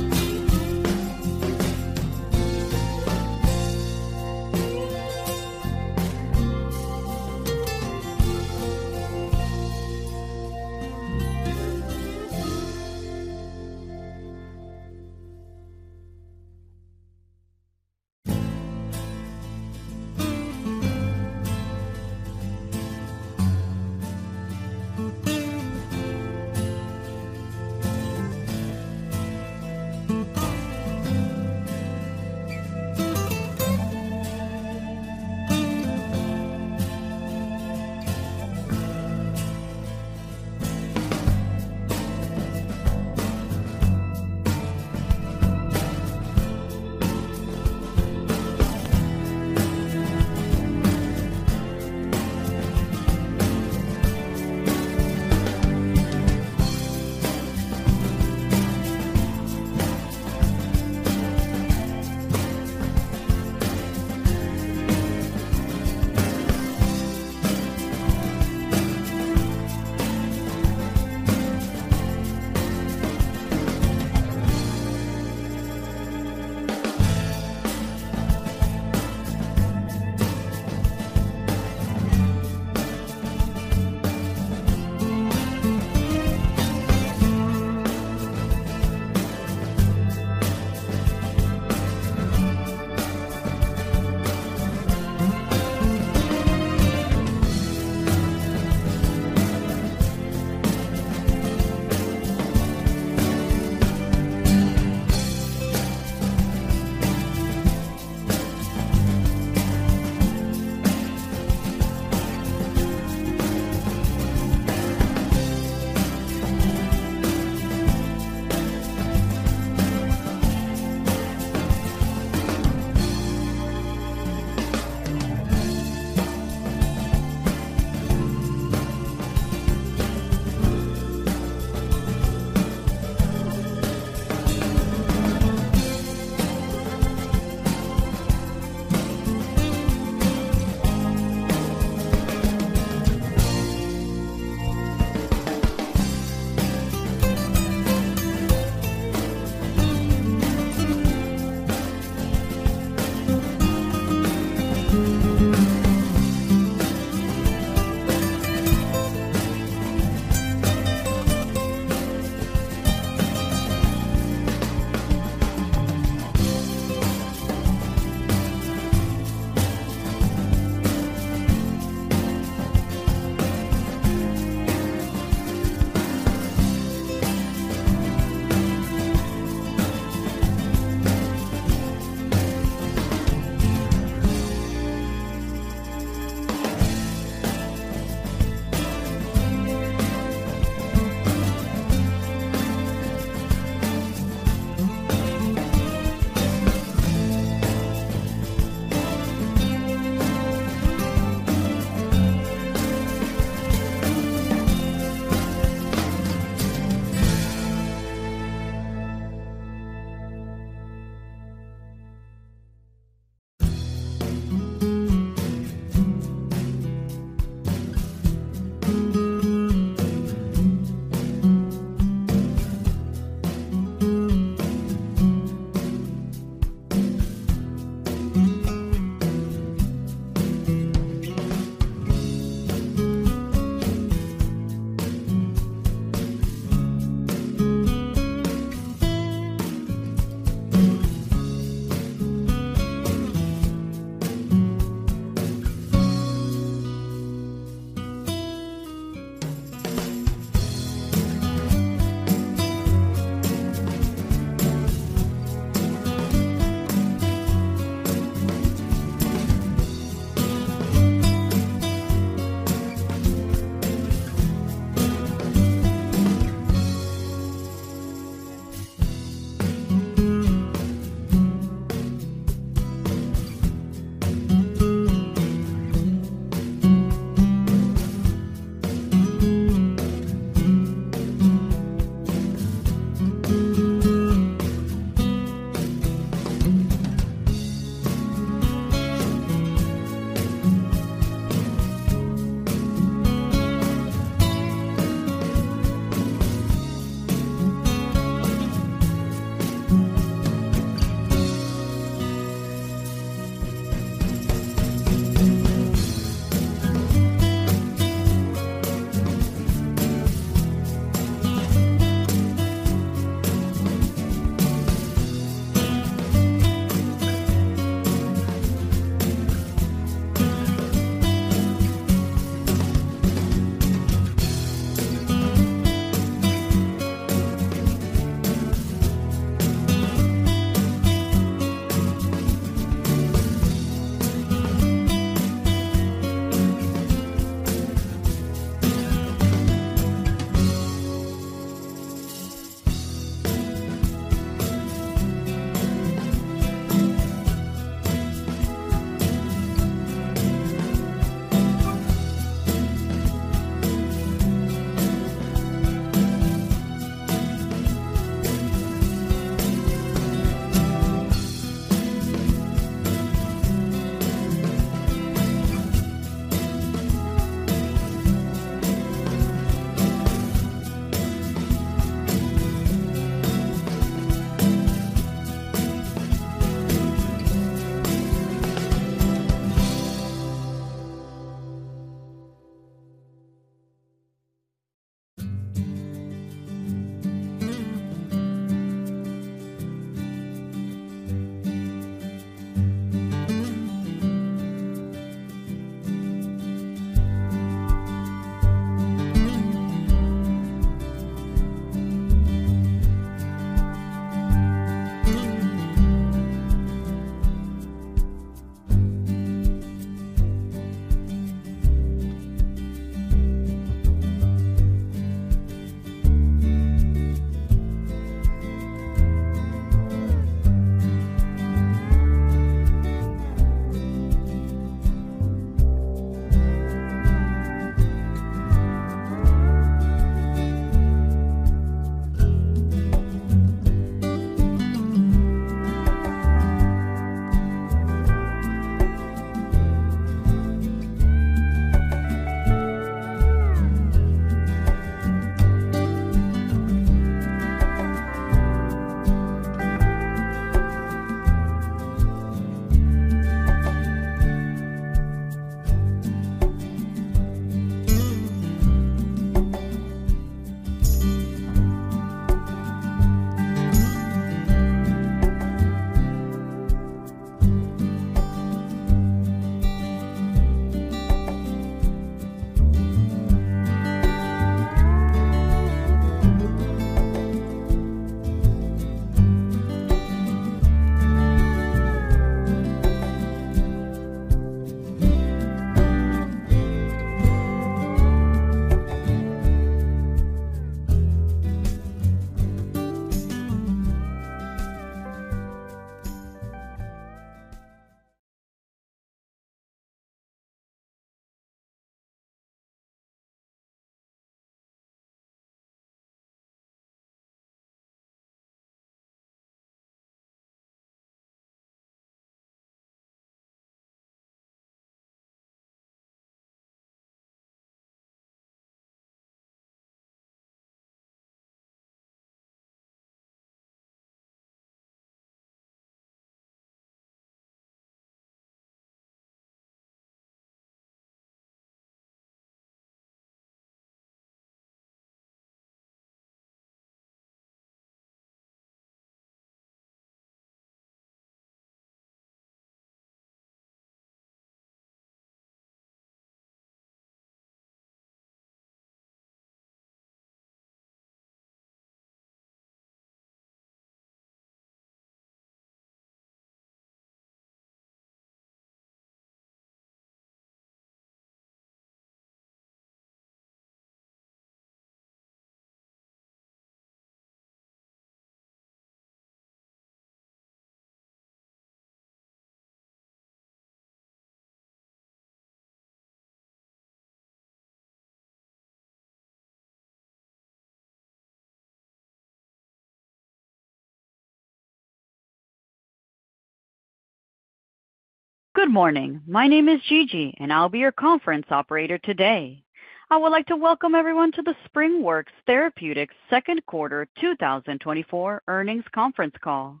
A: Good morning. My name is Gigi, and I'll be your conference operator today. I would like to welcome everyone to the SpringWorks Therapeutics Second Quarter 2024 earnings conference call.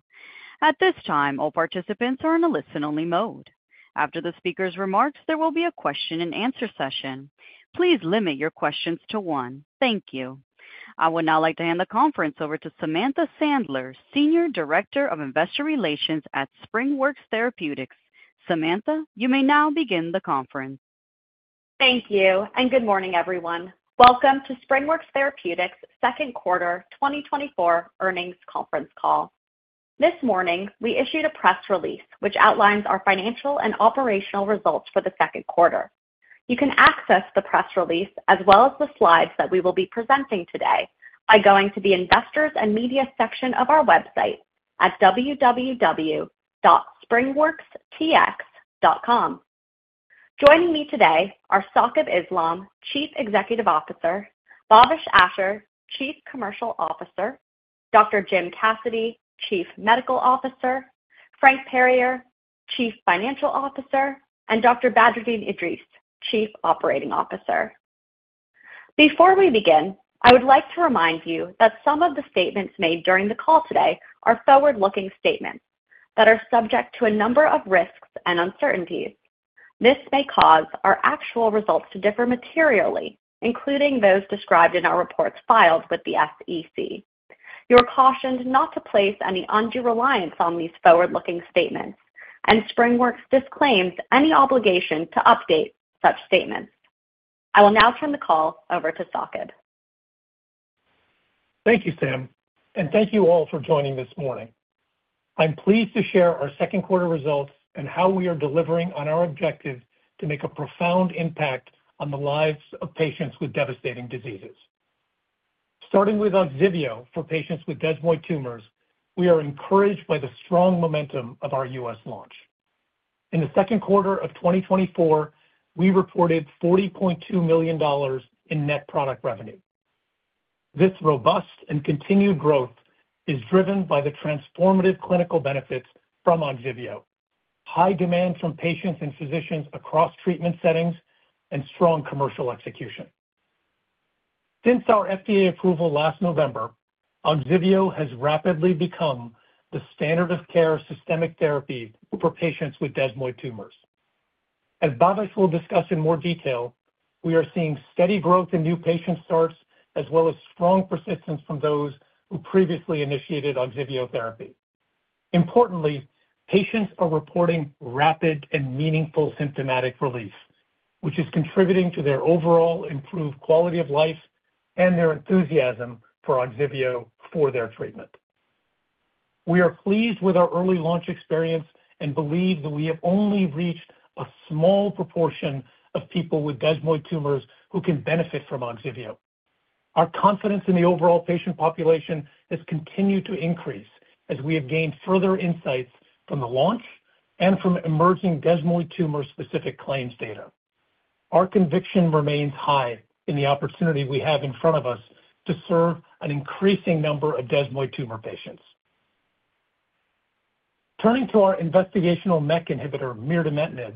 A: At this time, all participants are in a listen-only mode. After the speaker's remarks, there will be a question-and-answer session. Please limit your questions to one. Thank you. I would now like to hand the conference over to Samantha Sandler, Senior Director of Investor Relations at SpringWorks Therapeutics. Samantha, you may now begin the conference.
B: Thank you, and good morning, everyone. Welcome to SpringWorks Therapeutics Second Quarter 2024 earnings conference call. This morning, we issued a press release which outlines our financial and operational results for the second quarter. You can access the press release as well as the slides that we will be presenting today by going to the Investors and Media section of our website at www.springworkstx.com. Joining me today are Saqib Islam, Chief Executive Officer, Bhavesh Ashar, Chief Commercial Officer, Dr. Jim Cassidy, Chief Medical Officer, Frank Perier, Chief Financial Officer, and Dr. Badreddin Edris, Chief Operating Officer. Before we begin, I would like to remind you that some of the statements made during the call today are forward-looking statements that are subject to a number of risks and uncertainties. This may cause our actual results to differ materially, including those described in our reports filed with the SEC. You are cautioned not to place any undue reliance on these forward-looking statements, and SpringWorks disclaims any obligation to update such statements. I will now turn the call over to Saqib.
C: Thank you, Sam, and thank you all for joining this morning. I'm pleased to share our second quarter results and how we are delivering on our objective to make a profound impact on the lives of patients with devastating diseases. Starting with Ogsiveo for patients with desmoid tumors, we are encouraged by the strong momentum of our U.S. launch. In the second quarter of 2024, we reported $40.2 million in net product revenue. This robust and continued growth is driven by the transformative clinical benefits from Ogsiveo, high demand from patients and physicians across treatment settings, and strong commercial execution. Since our FDA approval last November, Ogsiveo has rapidly become the standard of care systemic therapy for patients with desmoid tumors. As Bhavesh will discuss in more detail, we are seeing steady growth in new patient starts as well as strong persistence from those who previously initiated Ogsiveo therapy. Importantly, patients are reporting rapid and meaningful symptomatic relief, which is contributing to their overall improved quality of life and their enthusiasm for Ogsiveo for their treatment. We are pleased with our early launch experience and believe that we have only reached a small proportion of people with desmoid tumors who can benefit from Ogsiveo. Our confidence in the overall patient population has continued to increase as we have gained further insights from the launch and from emerging desmoid tumor-specific claims data. Our conviction remains high in the opportunity we have in front of us to serve an increasing number of desmoid tumor patients. Turning to our investigational MEK inhibitor, mirdametinib,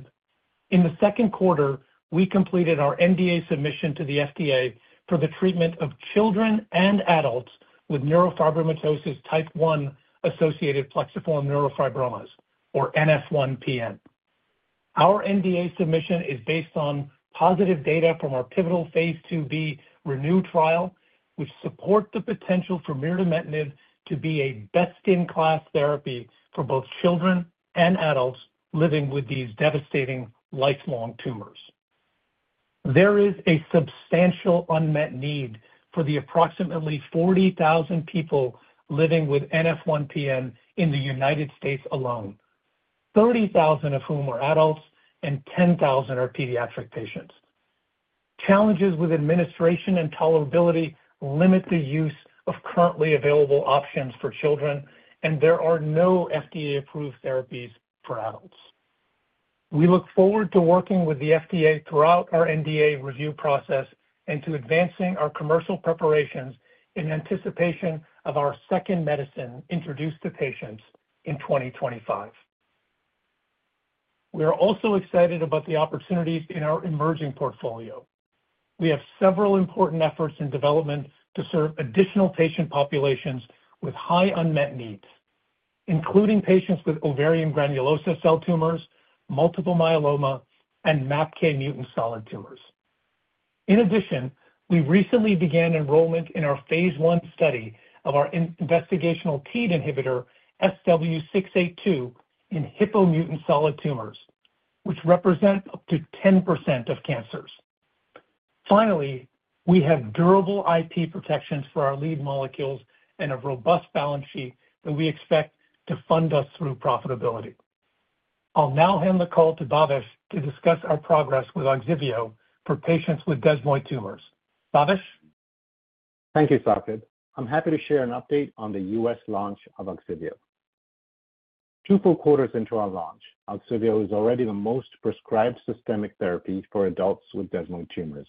C: in the second quarter, we completed our NDA submission to the FDA for the treatment of children and adults with neurofibromatosis type 1-associated plexiform neurofibromas, or NF1-PN. Our NDA submission is based on positive data from our pivotal phase 2b ReNeu trial, which supports the potential for mirdametinib to be a best-in-class therapy for both children and adults living with these devastating lifelong tumors. There is a substantial unmet need for the approximately 40,000 people living with NF1-PN in the United States alone, 30,000 of whom are adults and 10,000 are pediatric patients. Challenges with administration and tolerability limit the use of currently available options for children, and there are no FDA-approved therapies for adults. We look forward to working with the FDA throughout our NDA review process and to advancing our commercial preparations in anticipation of our second medicine introduced to patients in 2025. We are also excited about the opportunities in our emerging portfolio. We have several important efforts in development to serve additional patient populations with high unmet needs, including patients with ovarian granulosa cell tumors, multiple myeloma, and MAPK mutant solid tumors. In addition, we recently began enrollment in our phase I study of our investigational TEAD inhibitor, SW-682, in Hippo-mutant solid tumors, which represent up to 10% of cancers. Finally, we have durable IP protections for our lead molecules and a robust balance sheet that we expect to fund us through profitability. I'll now hand the call to Bhavesh to discuss our progress with Ogsiveo for patients with desmoid tumors. Bhavesh?
D: Thank you, Saqib. I'm happy to share an update on the U.S. launch of Ogsiveo. Two full quarters into our launch, Ogsiveo is already the most prescribed systemic therapy for adults with desmoid tumors.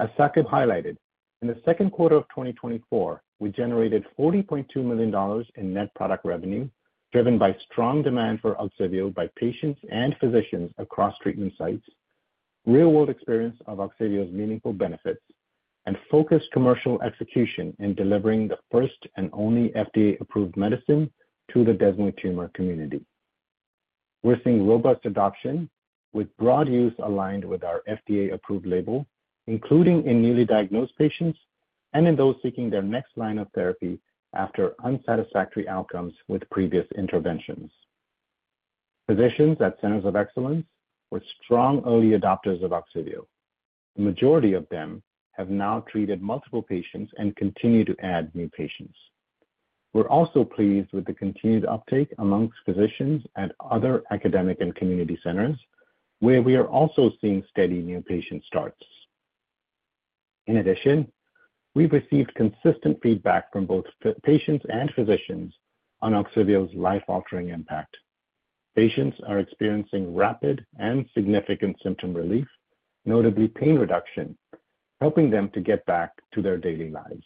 D: As Saqib highlighted, in the second quarter of 2024, we generated $40.2 million in net product revenue driven by strong demand for Ogsiveo by patients and physicians across treatment sites, real-world experience of Ogsiveo's meaningful benefits, and focused commercial execution in delivering the first and only FDA-approved medicine to the desmoid tumor community. We're seeing robust adoption with broad use aligned with our FDA-approved label, including in newly diagnosed patients and in those seeking their next line of therapy after unsatisfactory outcomes with previous interventions. Physicians at Centers of Excellence were strong early adopters of Ogsiveo. The majority of them have now treated multiple patients and continue to add new patients. We're also pleased with the continued uptake amongst physicians at other academic and community centers, where we are also seeing steady new patient starts. In addition, we've received consistent feedback from both patients and physicians on Ogsiveo's life-altering impact. Patients are experiencing rapid and significant symptom relief, notably pain reduction, helping them to get back to their daily lives.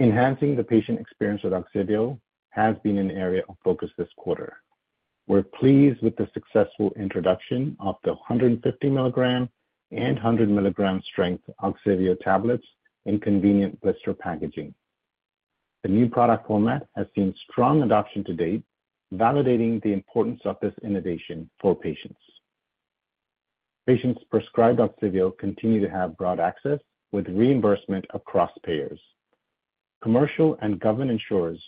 D: Enhancing the patient experience with Ogsiveo has been an area of focus this quarter. We're pleased with the successful introduction of the 150 mg and 100 mg strength Ogsiveo tablets in convenient blister packaging. The new product format has seen strong adoption to date, validating the importance of this innovation for patients. Patients prescribed Ogsiveo continue to have broad access with reimbursement across payers. Commercial and government insurers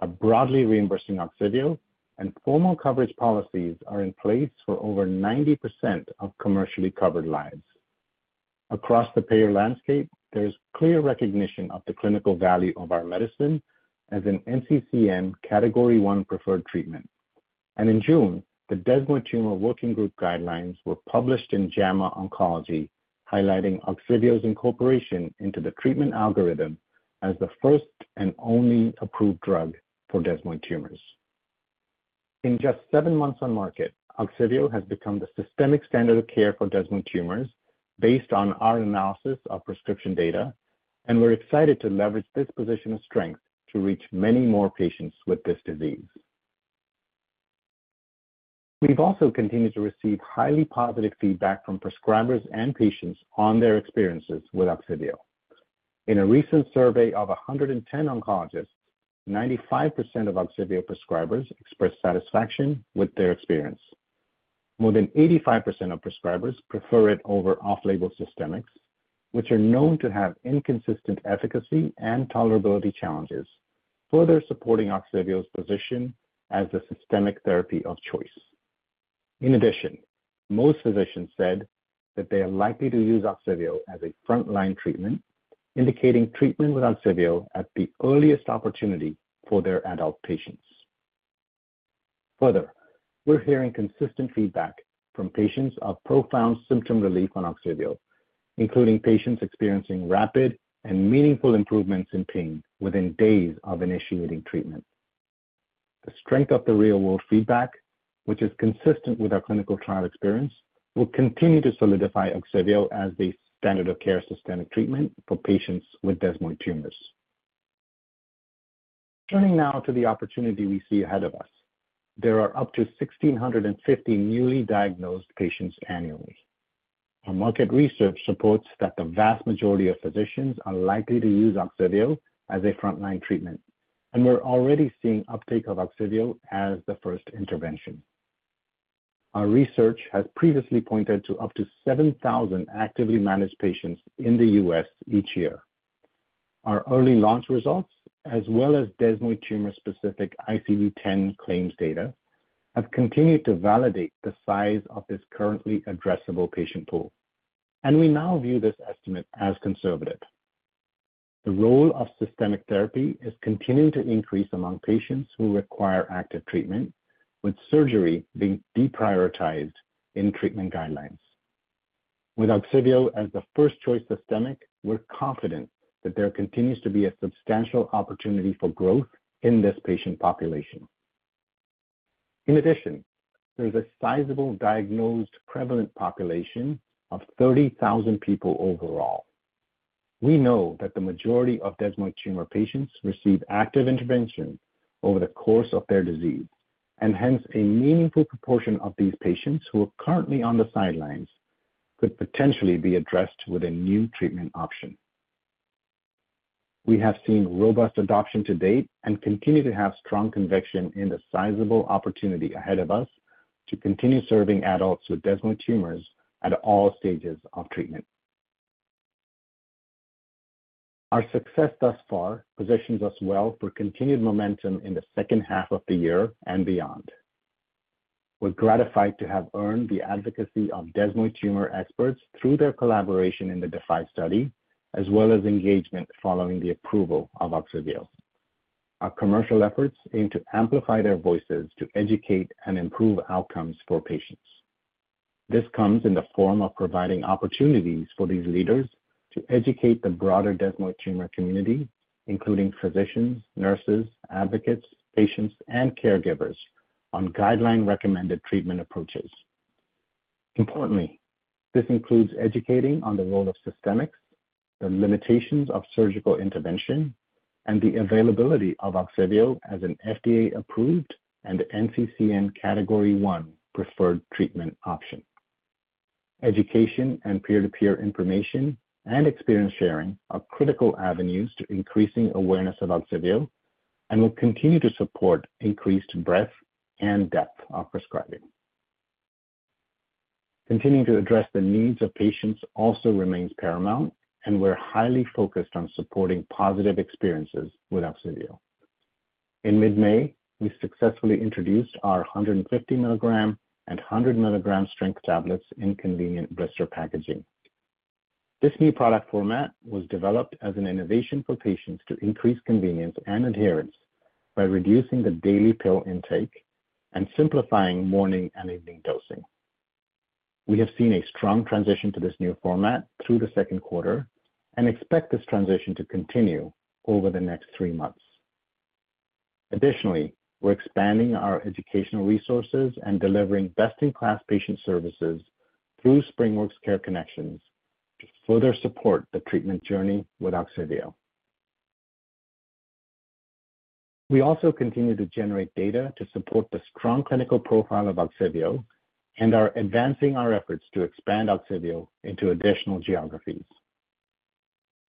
D: are broadly reimbursing Ogsiveo, and formal coverage policies are in place for over 90% of commercially covered lives. Across the payer landscape, there is clear recognition of the clinical value of our medicine as an NCCN Category 1 preferred treatment. In June, the Desmoid Tumor Working Group guidelines were published in JAMA Oncology, highlighting Ogsiveo's incorporation into the treatment algorithm as the first and only approved drug for desmoid tumors. In just seven months on market, Ogsiveo has become the systemic standard of care for desmoid tumors based on our analysis of prescription data, and we're excited to leverage this position of strength to reach many more patients with this disease. We've also continued to receive highly positive feedback from prescribers and patients on their experiences with Ogsiveo. In a recent survey of 110 oncologists, 95% of Ogsiveo prescribers expressed satisfaction with their experience. More than 85% of prescribers prefer it over off-label systemics, which are known to have inconsistent efficacy and tolerability challenges, further supporting Ogsiveo's position as the systemic therapy of choice. In addition, most physicians said that they are likely to use Ogsiveo as a frontline treatment, indicating treatment with Ogsiveo at the earliest opportunity for their adult patients. Further, we're hearing consistent feedback from patients of profound symptom relief on Ogsiveo, including patients experiencing rapid and meaningful improvements in pain within days of initiating treatment. The strength of the real-world feedback, which is consistent with our clinical trial experience, will continue to solidify Ogsiveo as the standard of care systemic treatment for patients with desmoid tumors. Turning now to the opportunity we see ahead of us, there are up to 1,650 newly diagnosed patients annually. Our market research supports that the vast majority of physicians are likely to use Ogsiveo as a frontline treatment, and we're already seeing uptake of Ogsiveo as the first intervention. Our research has previously pointed to up to 7,000 actively managed patients in the U.S. each year. Our early launch results, as well as desmoid tumor-specific ICD-10 claims data, have continued to validate the size of this currently addressable patient pool, and we now view this estimate as conservative. The role of systemic therapy is continuing to increase among patients who require active treatment, with surgery being deprioritized in treatment guidelines. With Ogsiveo as the first choice systemic, we're confident that there continues to be a substantial opportunity for growth in this patient population. In addition, there is a sizable diagnosed prevalent population of 30,000 people overall. We know that the majority of desmoid tumor patients receive active intervention over the course of their disease, and hence a meaningful proportion of these patients who are currently on the sidelines could potentially be addressed with a new treatment option. We have seen robust adoption to date and continue to have strong conviction in the sizable opportunity ahead of us to continue serving adults with desmoid tumors at all stages of treatment. Our success thus far positions us well for continued momentum in the second half of the year and beyond. We're gratified to have earned the advocacy of desmoid tumor experts through their collaboration in the DeFi study, as well as engagement following the approval of Ogsiveo. Our commercial efforts aim to amplify their voices to educate and improve outcomes for patients. This comes in the form of providing opportunities for these leaders to educate the broader desmoid tumor community, including physicians, nurses, advocates, patients, and caregivers on guideline-recommended treatment approaches. Importantly, this includes educating on the role of systemics, the limitations of surgical intervention, and the availability of Ogsiveo as an FDA-approved and NCCN Category 1 preferred treatment option. Education and peer-to-peer information and experience sharing are critical avenues to increasing awareness of Ogsiveo and will continue to support increased breadth and depth of prescribing. Continuing to address the needs of patients also remains paramount, and we're highly focused on supporting positive experiences with Ogsiveo. In mid-May, we successfully introduced our 150 mg and 100 mg strength tablets in convenient blister packaging. This new product format was developed as an innovation for patients to increase convenience and adherence by reducing the daily pill intake and simplifying morning and evening dosing. We have seen a strong transition to this new format through the second quarter and expect this transition to continue over the next three months. Additionally, we're expanding our educational resources and delivering best-in-class patient services through SpringWorks CareConnections to further support the treatment journey with Ogsiveo. We also continue to generate data to support the strong clinical profile of Ogsiveo and are advancing our efforts to expand Ogsiveo into additional geographies.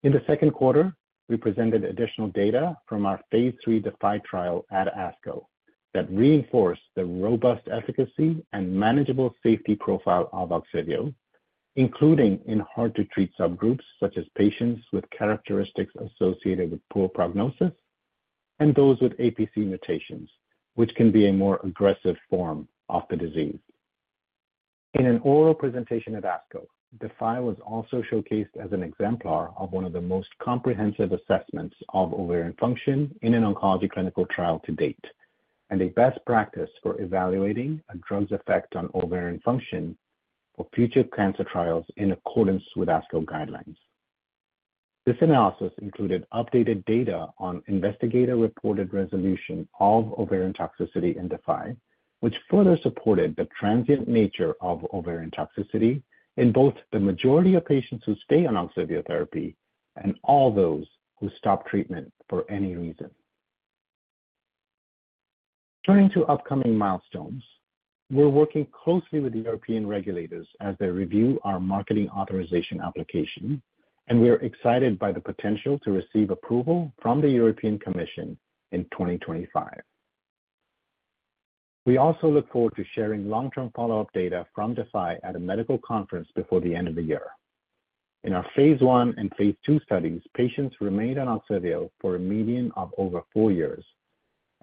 D: In the second quarter, we presented additional data from our phase 3 DeFi trial at ASCO that reinforced the robust efficacy and manageable safety profile of Ogsiveo, including in hard-to-treat subgroups such as patients with characteristics associated with poor prognosis and those with APC mutations, which can be a more aggressive form of the disease. In an oral presentation at ASCO, DeFi was also showcased as an exemplar of one of the most comprehensive assessments of ovarian function in an oncology clinical trial to date and a best practice for evaluating a drug's effect on ovarian function for future cancer trials in accordance with ASCO guidelines. This analysis included updated data on investigator-reported resolution of ovarian toxicity in DeFi, which further supported the transient nature of ovarian toxicity in both the majority of patients who stay on Ogsiveo therapy and all those who stop treatment for any reason. Turning to upcoming milestones, we're working closely with European regulators as they review our marketing authorization application, and we are excited by the potential to receive approval from the European Commission in 2025. We also look forward to sharing long-term follow-up data from DeFi at a medical conference before the end of the year. In our phase I and phase II studies, patients remained on Ogsiveo for a median of over four years,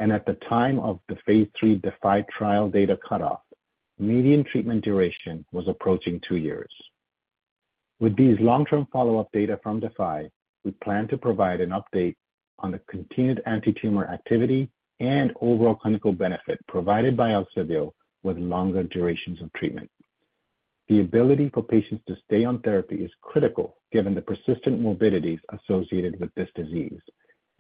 D: and at the time of the phase 3 DeFi trial data cutoff, median treatment duration was approaching two years. With these long-term follow-up data from DeFi, we plan to provide an update on the continued anti-tumor activity and overall clinical benefit provided by Ogsiveo with longer durations of treatment. The ability for patients to stay on therapy is critical given the persistent morbidities associated with this disease,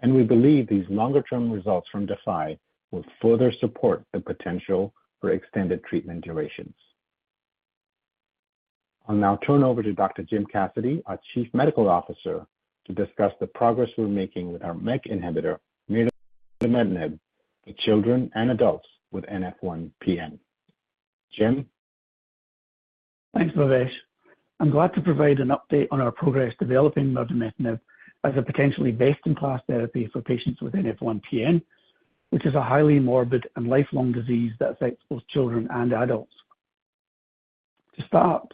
D: and we believe these longer-term results from DeFi will further support the potential for extended treatment durations. I'll now turn over to Dr. Jim Cassidy, our Chief Medical Officer, to discuss the progress we're making with our MEK inhibitor, mirdametinib, for children and adults with NF1-PN. Jim?
E: Thanks, Bhavesh.I'm glad to provide an update on our progress developing mirdametinib as a potentially best-in-class therapy for patients with NF1-PN, which is a highly morbid and lifelong disease that affects both children and adults. To start,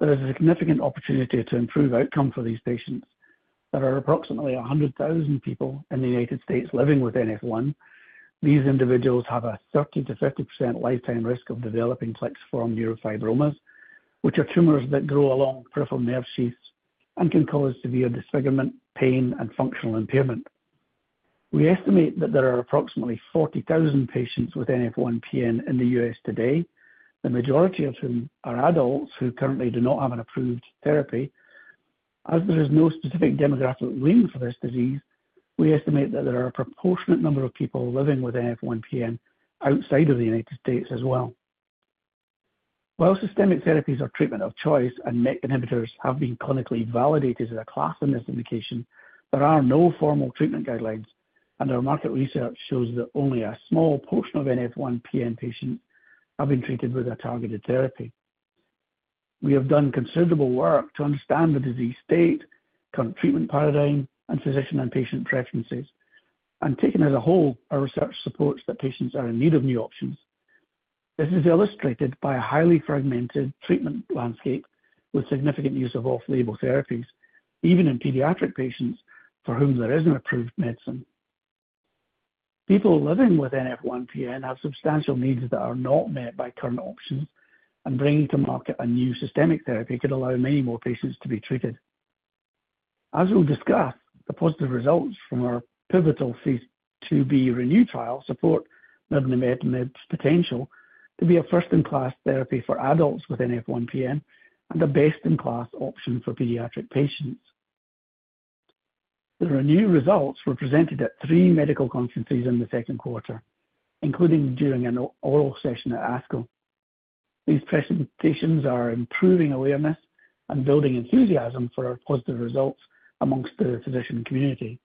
E: there is a significant opportunity to improve outcome for these patients. There are approximately 100,000 people in the United States living with NF1. These individuals have a 30%-50% lifetime risk of developing plexiform neurofibromas, which are tumors that grow along peripheral nerve sheaths and can cause severe disfigurement, pain, and functional impairment. We estimate that there are approximately 40,000 patients with NF1-PN in the U.S. today, the majority of whom are adults who currently do not have an approved therapy. As there is no specific demographic range for this disease, we estimate that there are a proportionate number of people living with NF1-PN outside of the United States as well. While systemic therapies are treatment of choice and MEK inhibitors have been clinically validated as a class in this indication, there are no formal treatment guidelines, and our market research shows that only a small portion of NF1-PN patients have been treated with a targeted therapy. We have done considerable work to understand the disease state, current treatment paradigm, and physician and patient preferences, and taken as a whole, our research supports that patients are in need of new options. This is illustrated by a highly fragmented treatment landscape with significant use of off-label therapies, even in pediatric patients for whom there is no approved medicine. People living with NF1-PN have substantial needs that are not met by current options, and bringing to market a new systemic therapy could allow many more patients to be treated. As we'll discuss, the positive results from our pivotal phase 2b ReNeu trial support mirdametinib's potential to be a first-in-class therapy for adults with NF1-PN and a best-in-class option for pediatric patients. The ReNeu results were presented at three medical conferences in the second quarter, including during an oral session at ASCO. These presentations are improving awareness and building enthusiasm for our positive results among the physician community.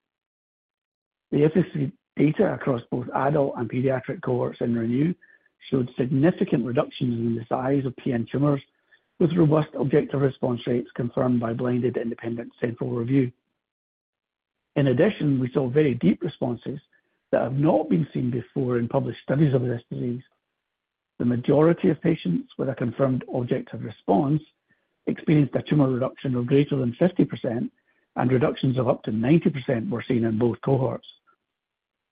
E: The efficacy data across both adult and pediatric cohorts in ReNeu showed significant reductions in the size of PN tumors, with robust objective response rates confirmed by blinded independent central review. In addition, we saw very deep responses that have not been seen before in published studies of this disease. The majority of patients with a confirmed objective response experienced a tumor reduction of greater than 50%, and reductions of up to 90% were seen in both cohorts.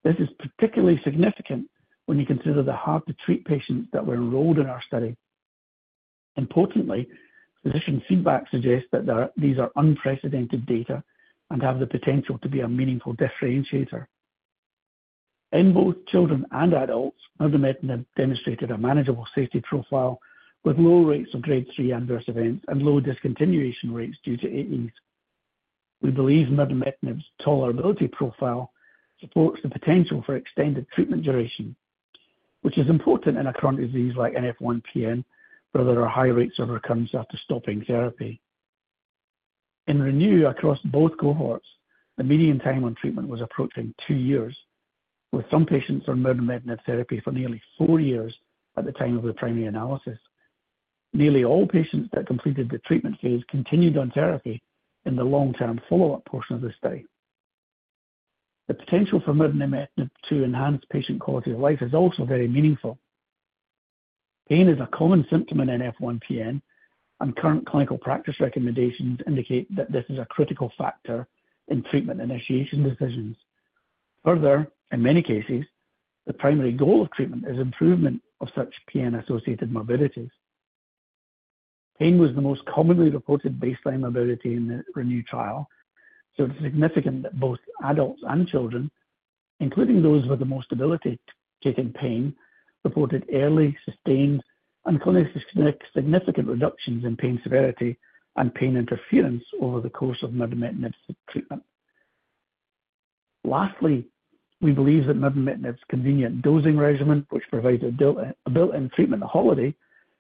E: This is particularly significant when you consider the hard-to-treat patients that were enrolled in our study. Importantly, physician feedback suggests that these are unprecedented data and have the potential to be a meaningful differentiator. In both children and adults, mirdametinib demonstrated a manageable safety profile with low rates of grade 3 adverse events and low discontinuation rates due to AEs. We believe mirdametinib's tolerability profile supports the potential for extended treatment duration, which is important in a current disease like NF1-PN where there are high rates of recurrence after stopping therapy. In ReNeu across both cohorts, the median time on treatment was approaching two years, with some patients on mirdametinib therapy for nearly four years at the time of the primary analysis. Nearly all patients that completed the treatment phase continued on therapy in the long-term follow-up portion of the study. The potential for mirdametinib to enhance patient quality of life is also very meaningful. Pain is a common symptom in NF1-PN, and current clinical practice recommendations indicate that this is a critical factor in treatment initiation decisions. Further, in many cases, the primary goal of treatment is improvement of such PN-associated morbidities. Pain was the most commonly reported baseline morbidity in the ReNeu trial, so it's significant that both adults and children, including those with the most debilitated pain, reported early, sustained, and clinically significant reductions in pain severity and pain interference over the course of mirdametinib treatment. Lastly, we believe that mirdametinib's convenient dosing regimen, which provides a built-in treatment holiday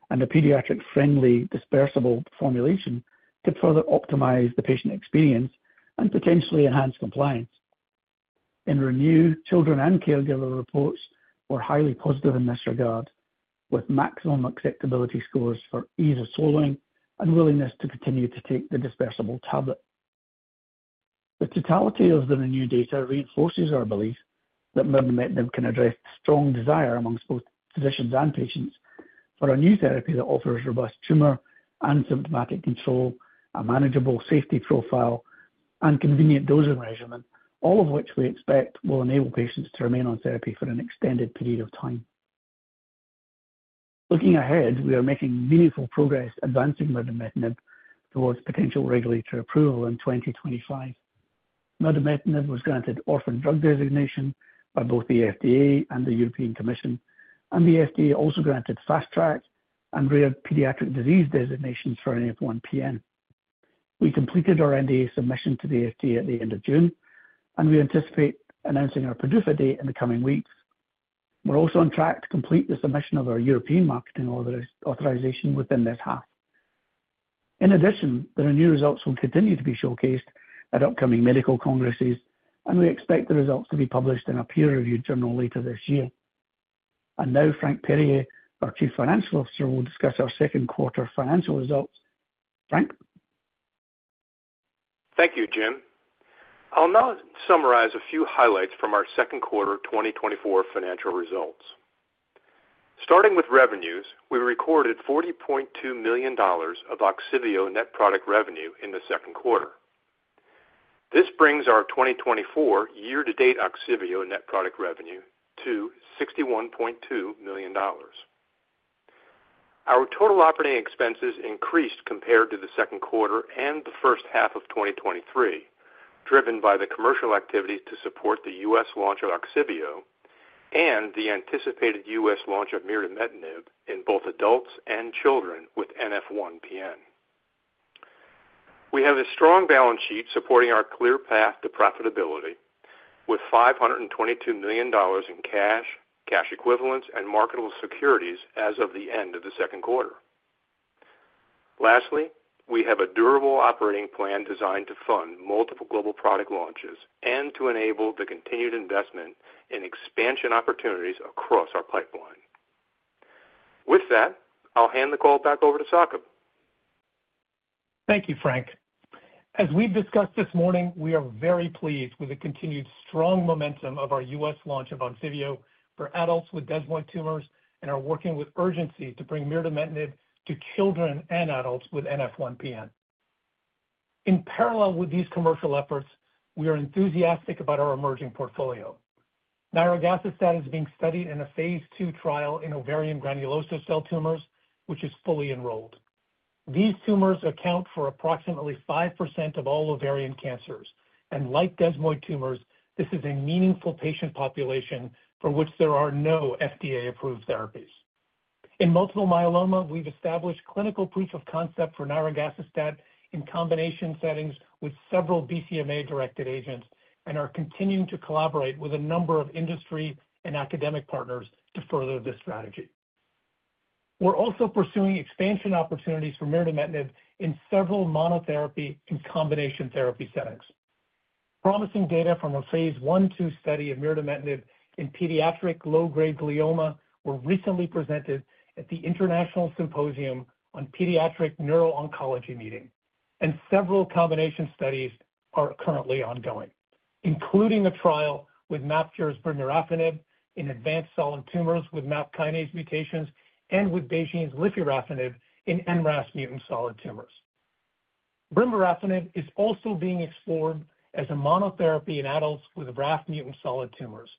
E: and a pediatric-friendly dispersible formulation, could further optimize the patient experience and potentially enhance compliance. In ReNeu, children and caregiver reports were highly positive in this regard, with maximum acceptability scores for ease of swallowing and willingness to continue to take the dispersible tablet. The totality of the ReNeu data reinforces our belief that mirdametinib can address the strong desire amongst both physicians and patients for a new therapy that offers robust tumor and symptomatic control, a manageable safety profile, and convenient dosing regimen, all of which we expect will enable patients to remain on therapy for an extended period of time. Looking ahead, we are making meaningful progress advancing mirdametinib towards potential regulatory approval in 2025. Mirdametinib was granted orphan drug designation by both the FDA and the European Commission, and the FDA also granted fast track and rare pediatric disease designations for NF1-PN. We completed our NDA submission to the FDA at the end of June, and we anticipate announcing our PDUFA date in the coming weeks. We're also on track to complete the submission of our European marketing authorization within this half. In addition, the ReNeu results will continue to be showcased at upcoming medical congresses, and we expect the results to be published in a peer-reviewed journal later this year. And now, Frank Perier, our Chief Financial Officer, will discuss our second quarter financial results. Frank?
F: Thank you, Jim. I'll now summarize a few highlights from our second quarter 2024 financial results. Starting with revenues, we recorded $40.2 million of Ogsiveo net product revenue in the second quarter. This brings our 2024 year-to-date Ogsiveo net product revenue to $61.2 million. Our total operating expenses increased compared to the second quarter and the first half of 2023, driven by the commercial activity to support the U.S. launch of Ogsiveo and the anticipated U.S. launch of mirdametinib in both adults and children with NF1-PN. We have a strong balance sheet supporting our clear path to profitability with $522 million in cash, cash equivalents, and marketable securities as of the end of the second quarter. Lastly, we have a durable operating plan designed to fund multiple global product launches and to enable the continued investment in expansion opportunities across our pipeline. With that, I'll hand the call back over to Saqib.
C: Thank you, Frank. As we've discussed this morning, we are very pleased with the continued strong momentum of our U.S. launch of Ogsiveo for adults with desmoid tumors and are working with urgency to bring mirdametinib to children and adults with NF1-PN. In parallel with these commercial efforts, we are enthusiastic about our emerging portfolio. Nirogacestat is being studied in a phase 2 trial in ovarian granulosa cell tumors, which is fully enrolled. These tumors account for approximately 5% of all ovarian cancers, and like desmoid tumors, this is a meaningful patient population for which there are no FDA-approved therapies. In multiple myeloma, we've established clinical proof of concept for Nirogacestat in combination settings with several BCMA-directed agents and are continuing to collaborate with a number of industry and academic partners to further this strategy. We're also pursuing expansion opportunities for Mirdametinib in several monotherapy and combination therapy settings. Promising data from a phase I-II study of mirdametinib in pediatric low-grade glioma were recently presented at the International Symposium on Pediatric Neuro-Oncology meeting, and several combination studies are currently ongoing, including a trial with MapKure's brimarafenib in advanced solid tumors with MAPK mutations and with BeiGene's lifurafenib in NRAS mutant solid tumors. brimarafenib is also being explored as a monotherapy in adults with RAS mutant solid tumors,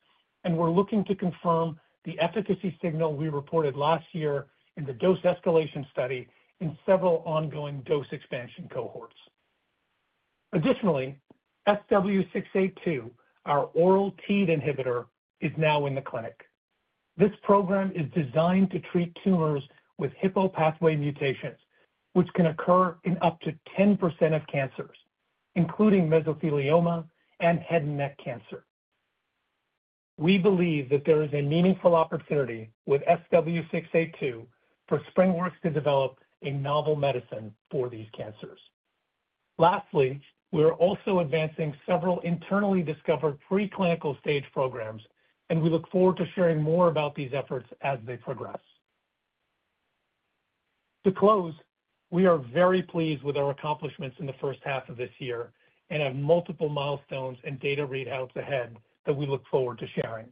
C: and we're looking to confirm the efficacy signal we reported last year in the dose escalation study in several ongoing dose expansion cohorts. Additionally, SW-682, our oral TEAD inhibitor, is now in the clinic. This program is designed to treat tumors with Hippo pathway mutations, which can occur in up to 10% of cancers, including mesothelioma and head and neck cancer. We believe that there is a meaningful opportunity with SW-682 for SpringWorks to develop a novel medicine for these cancers. Lastly, we are also advancing several internally discovered preclinical stage programs, and we look forward to sharing more about these efforts as they progress. To close, we are very pleased with our accomplishments in the first half of this year and have multiple milestones and data readouts ahead that we look forward to sharing.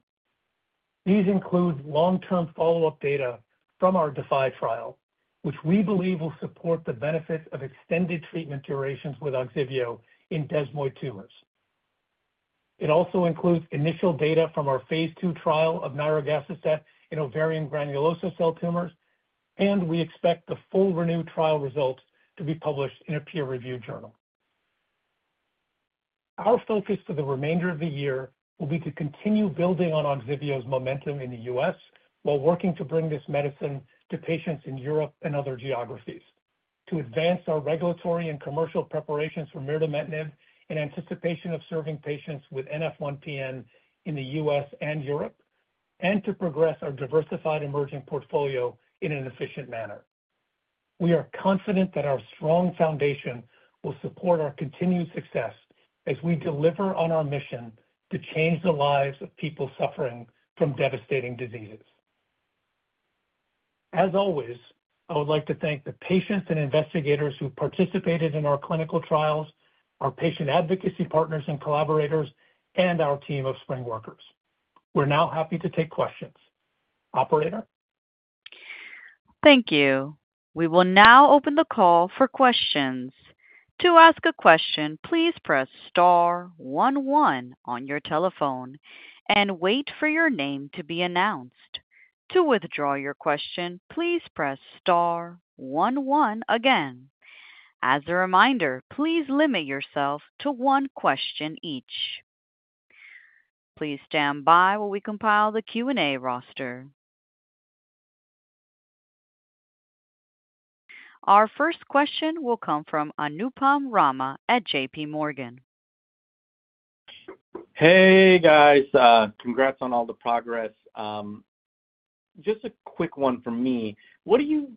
C: These include long-term follow-up data from our DeFi trial, which we believe will support the benefits of extended treatment durations with Ogsiveo in desmoid tumors. It also includes initial data from our phase 2 trial of nirogacestat in ovarian granulosa cell tumors, and we expect the full ReNeu trial results to be published in a peer-reviewed journal. Our focus for the remainder of the year will be to continue building on Ogsiveo's momentum in the U.S. while working to bring this medicine to patients in Europe and other geographies, to advance our regulatory and commercial preparations for mirdametinib in anticipation of serving patients with NF1-PN in the U.S. and Europe, and to progress our diversified emerging portfolio in an efficient manner. We are confident that our strong foundation will support our continued success as we deliver on our mission to change the lives of people suffering from devastating diseases. As always, I would like to thank the patients and investigators who participated in our clinical trials, our patient advocacy partners and collaborators, and our team of SpringWorkers. We're now happy to take questions. Operator?
A: Thank you. We will now open the call for questions. To ask a question, please press star 11 on your telephone and wait for your name to be announced. To withdraw your question, please press star 11 again. As a reminder, please limit yourself to one question each. Please stand by while we compile the Q&A roster. Our first question will come from Anupam Rama at JPMorgan.
G: Hey, guys. Congrats on all the progress. Just a quick one from me. What are you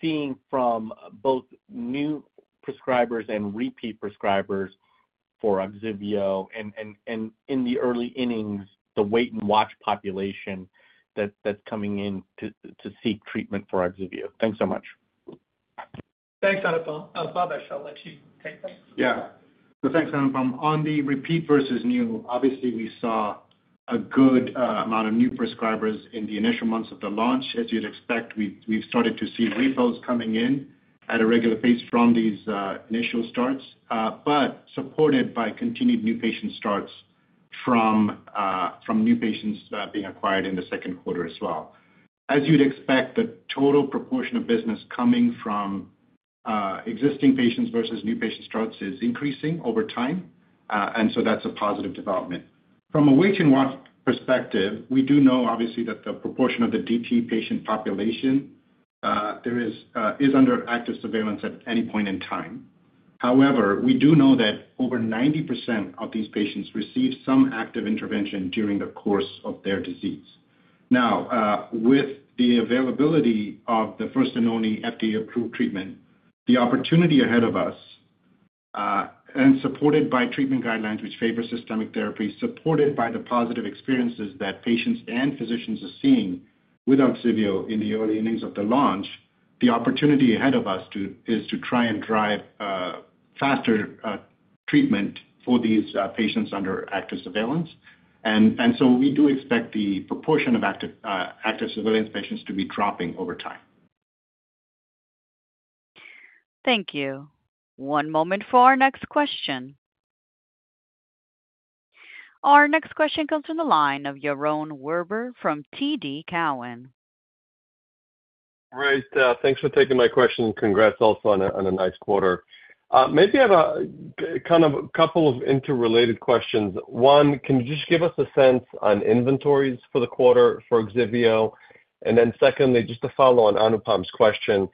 G: seeing from both new prescribers and repeat prescribers for Ogsiveo and in the early innings, the wait-and-watch population that's coming in to seek treatment for Ogsiveo? Thanks so much.
C: Thanks, Anupam. Bhavesh, I'll let you take that.
D: Yeah. So thanks, Anupam. On the repeat versus new, obviously, we saw a good amount of new prescribers in the initial months of the launch. As you'd expect, we've started to see refills coming in at a regular pace from these initial starts, but supported by continued new patient starts from new patients being acquired in the second quarter as well. As you'd expect, the total proportion of business coming from existing patients versus new patient starts is increasing over time, and so that's a positive development. From a wait-and-watch perspective, we do know, obviously, that the proportion of the DT patient population is under active surveillance at any point in time. However, we do know that over 90% of these patients receive some active intervention during the course of their disease. Now, with the availability of the first and only FDA-approved treatment, the opportunity ahead of us, and supported by treatment guidelines which favor systemic therapy, supported by the positive experiences that patients and physicians are seeing with Ogsiveo in the early innings of the launch, the opportunity ahead of us is to try and drive faster treatment for these patients under active surveillance. And so we do expect the proportion of active surveillance patients to be dropping over time.
A: Thank you. One moment for our next question. Our next question comes from the line of Yaron Werber from TD Cowen.
C: Right. Thanks for taking my question. Congrats also on a nice quarter. Maybe I have kind of a couple of interrelated questions. One, can you just give us a sense on inventories for the quarter for Ogsiveo? And then secondly, just to follow on Anupam's question,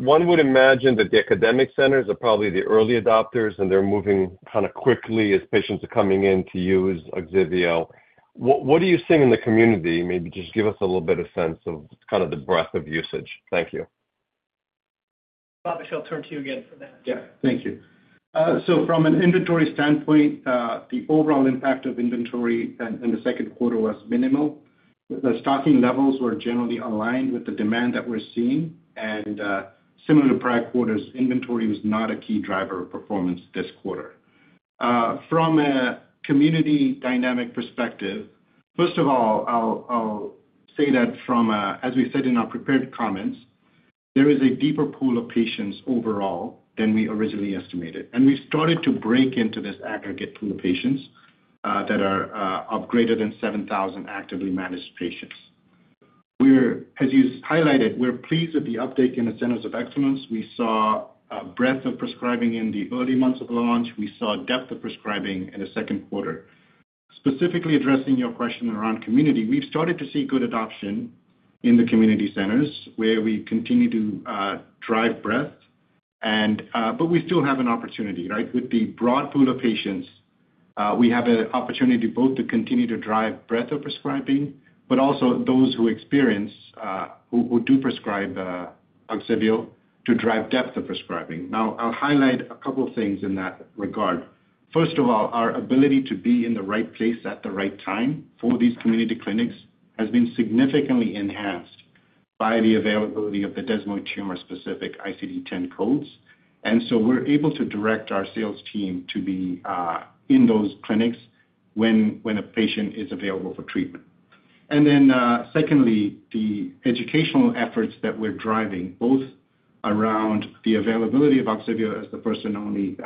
C: one would imagine that the academic centers are probably the early adopters, and they're moving kind of quickly as patients are coming in to use Ogsiveo. What are you seeing in the community? Maybe just give us a little bit of sense of kind of the breadth of usage. Thank you. Bhavesh, I'll turn to you again for that.
D: Yeah. Thank you. So from an inventory standpoint, the overall impact of inventory in the second quarter was minimal. The stocking levels were generally aligned with the demand that we're seeing. Similar to prior quarters, inventory was not a key driver of performance this quarter. From a community dynamic perspective, first of all, I'll say that, as we said in our prepared comments, there is a deeper pool of patients overall than we originally estimated. We've started to break into this aggregate pool of patients that are greater than 7,000 actively managed patients. As you highlighted, we're pleased with the uptake in the centers of excellence. We saw breadth of prescribing in the early months of launch. We saw depth of prescribing in the second quarter. Specifically addressing your question around community, we've started to see good adoption in the community centers where we continue to drive breadth. We still have an opportunity, right? With the broad pool of patients, we have an opportunity both to continue to drive breadth of prescribing, but also those who experience, who do prescribe Ogsiveo, to drive depth of prescribing. Now, I'll highlight a couple of things in that regard. First of all, our ability to be in the right place at the right time for these community clinics has been significantly enhanced by the availability of the Desmoid tumor-specific ICD-10 codes. And so we're able to direct our sales team to be in those clinics when a patient is available for treatment. And then secondly, the educational efforts that we're driving both around the availability of Ogsiveo as the first and only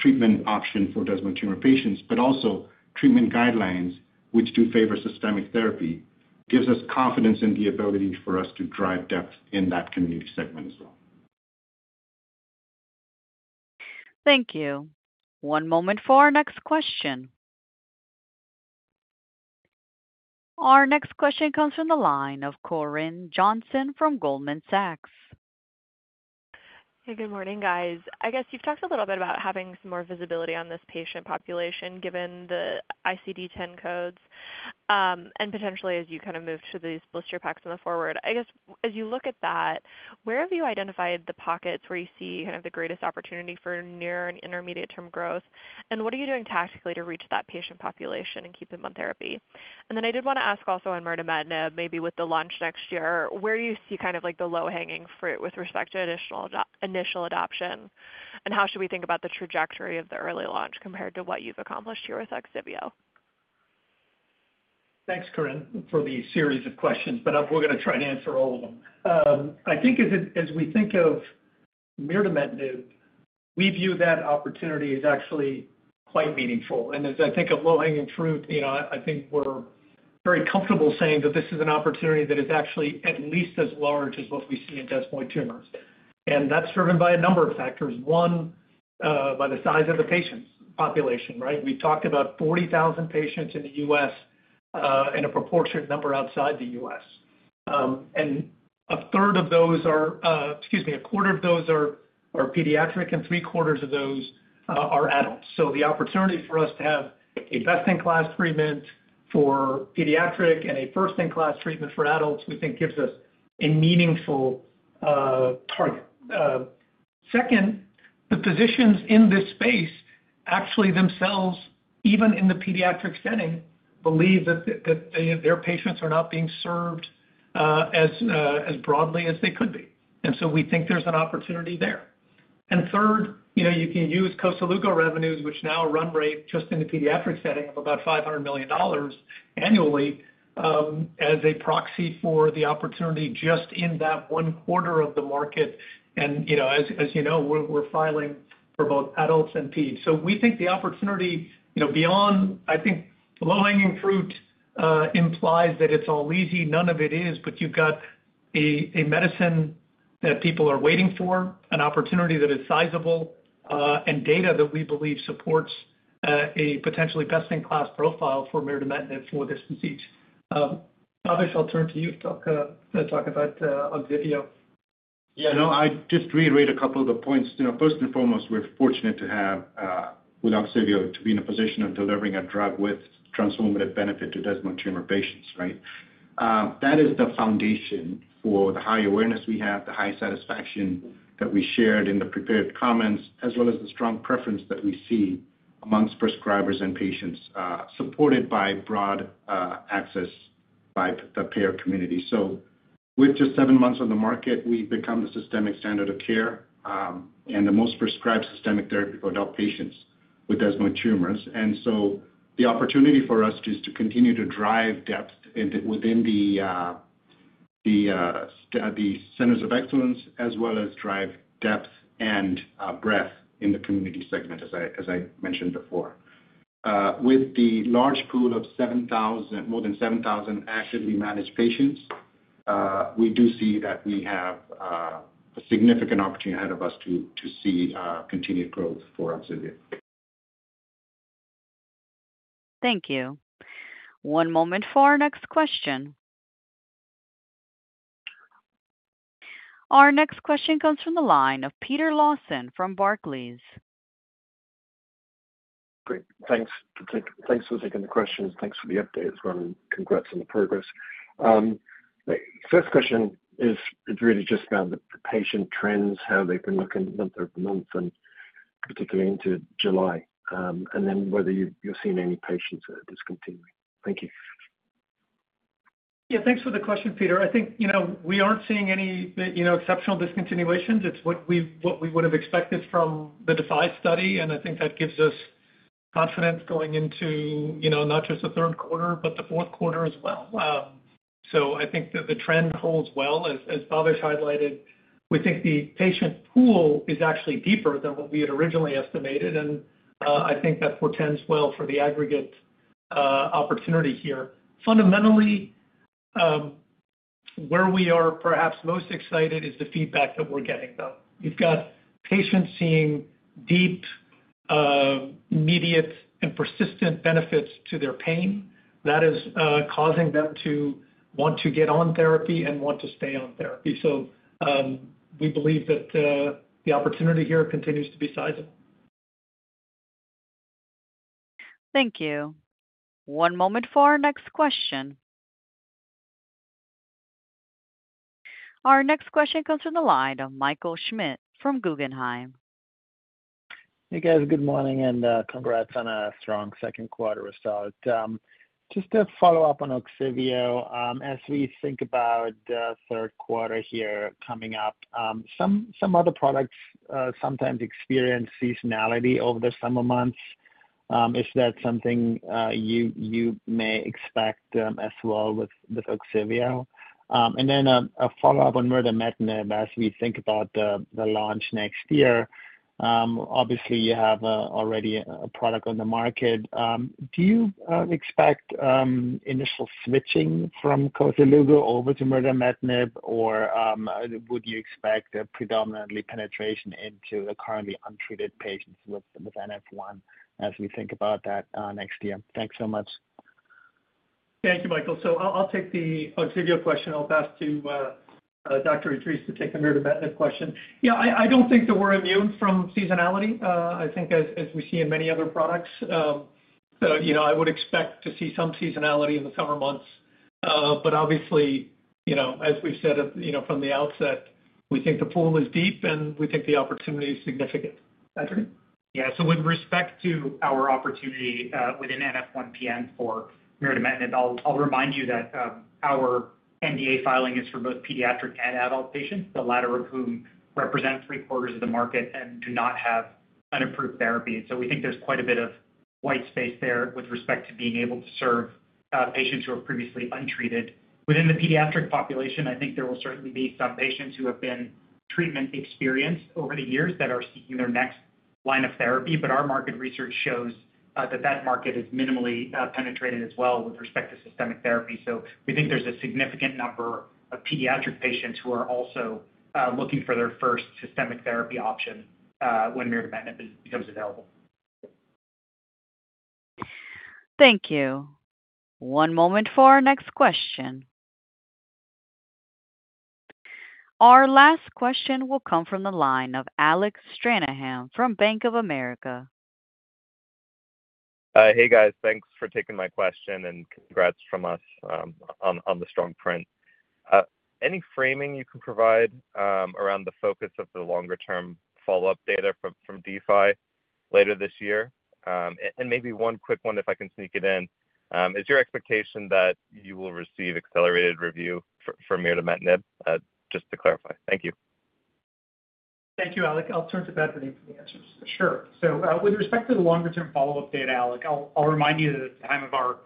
D: treatment option for desmoid tumor patients, but also treatment guidelines which do favor systemic therapy gives us confidence in the ability for us to drive depth in that community segment as well.
A: Thank you. One moment for our next question. Our next question comes from the line of Corinne Johnson from Goldman Sachs.
H: Hey, good morning, guys. I guess you've talked a little bit about having some more visibility on this patient population given the ICD-10 codes and potentially as you kind of move to these blister packs in the forward. I guess as you look at that, where have you identified the pockets where you see kind of the greatest opportunity for near and intermediate-term growth? And what are you doing tactically to reach that patient population and keep them on therapy? And then I did want to ask also on mirdametinib, maybe with the launch next year, where you see kind of the low-hanging fruit with respect to initial adoption? And how should we think about the trajectory of the early launch compared to what you've accomplished here with Ogsiveo?
C: Thanks, Corinne, for the series of questions, but we're going to try and answer all of them. I think as we think of mirdametinib, we view that opportunity as actually quite meaningful. And as I think of low-hanging fruit, I think we're very comfortable saying that this is an opportunity that is actually at least as large as what we see in desmoid tumors. And that's driven by a number of factors. One, by the size of the patient population, right? We've talked about 40,000 patients in the U.S. and a proportionate number outside the U.S. And a third of those are, excuse me, a quarter of those are pediatric, and three-quarters of those are adults. So the opportunity for us to have a best-in-class treatment for pediatric and a first-in-class treatment for adults, we think gives us a meaningful target. Second, the physicians in this space actually themselves, even in the pediatric setting, believe that their patients are not being served as broadly as they could be. And so we think there's an opportunity there. And third, you can use Koselugo revenues, which now run rate just in the pediatric setting of about $500 million annually as a proxy for the opportunity just in that one quarter of the market. And as you know, we're filing for both adults and peds. So we think the opportunity beyond, I think the low-hanging fruit implies that it's all easy. None of it is, but you've got a medicine that people are waiting for, an opportunity that is sizable, and data that we believe supports a potentially best-in-class profile for mirdametinib for this disease. Bhavesh, I'll turn to you to talk about Ogsiveo.
D: Yeah. No, I just reiterate a couple of the points. First and foremost, we're fortunate to have Ogsiveo to be in a position of delivering a drug with transformative benefit to Desmoid tumor patients, right? That is the foundation for the high awareness we have, the high satisfaction that we shared in the prepared comments, as well as the strong preference that we see among prescribers and patients supported by broad access by the payer community. So with just seven months on the market, we've become the systemic standard of care and the most prescribed systemic therapy for adult patients with Desmoid tumors. And so the opportunity for us is to continue to drive depth within the centers of excellence as well as drive depth and breadth in the community segment, as I mentioned before. With the large pool of more than 7,000 actively managed patients, we do see that we have a significant opportunity ahead of us to see continued growth for Ogsiveo.
A: Thank you. One moment for our next question. Our next question comes from the line of Peter Lawson from Barclays.
I: Great. Thanks for taking the questions. Thanks for the update as well. And congrats on the progress. First question is really just around the patient trends, how they've been looking month-over-month and particularly into July, and then whether you're seeing any patients that are discontinuing. Thank you.
C: Yeah. Thanks for the question, Peter. I think we aren't seeing any exceptional discontinuations. It's what we would have expected from the DeFi study. And I think that gives us confidence going into not just the third quarter, but the fourth quarter as well. So I think that the trend holds well. As Bhavesh highlighted, we think the patient pool is actually deeper than what we had originally estimated. I think that portends well for the aggregate opportunity here. Fundamentally, where we are perhaps most excited is the feedback that we're getting, though. You've got patients seeing deep, immediate, and persistent benefits to their pain that is causing them to want to get on therapy and want to stay on therapy. We believe that the opportunity here continues to be sizable.
A: Thank you. One moment for our next question. Our next question comes from the line of Michael Schmidt from Guggenheim.
J: Hey, guys. Good morning. And congrats on a strong second quarter result. Just to follow up on Ogsiveo, as we think about the third quarter here coming up, some other products sometimes experience seasonality over the summer months. Is that something you may expect as well with Ogsiveo? And then a follow-up on mirdametinib as we think about the launch next year. Obviously, you have already a product on the market. Do you expect initial switching from Koselugo over to mirdametinib, or would you expect predominantly penetration into the currently untreated patients with NF1 as we think about that next year?
C: Thanks so much. Thank you, Michael. So I'll take the Ogsiveo question. I'll pass to Dr. Edris to take the mirdametinib question. Yeah. I don't think that we're immune from seasonality. I think as we see in many other products, I would expect to see some seasonality in the summer months. But obviously, as we've said from the outset, we think the pool is deep, and we think the opportunity is significant. Badreddin?
K: Yeah. So with respect to our opportunity within NF1-PN for mirdametinib, I'll remind you that our NDA filing is for both pediatric and adult patients, the latter of whom represent three-quarters of the market and do not have an approved therapy. And so we think there's quite a bit of white space there with respect to being able to serve patients who are previously untreated. Within the pediatric population, I think there will certainly be some patients who have been treatment experienced over the years that are seeking their next line of therapy. But our market research shows that that market is minimally penetrated as well with respect to systemic therapy. So we think there's a significant number of pediatric patients who are also looking for their first systemic therapy option when mirdametinib becomes available.
A: Thank you. One moment for our next question. Our last question will come from the line of Alec Stranahan from Bank of America.
L: Hey, guys. Thanks for taking my question. And congrats from us on the strong print. Any framing you can provide around the focus of the longer-term follow-up data from DeFi later this year? And maybe one quick one if I can sneak it in. Is your expectation that you will receive accelerated review for mirdametinib? Just to clarify. Thank you.
C: Thank you, Alex. I'll turn to Badreddin for the answers.
K: Sure. So with respect to the longer-term follow-up data, Alex, I'll remind you that at the time of our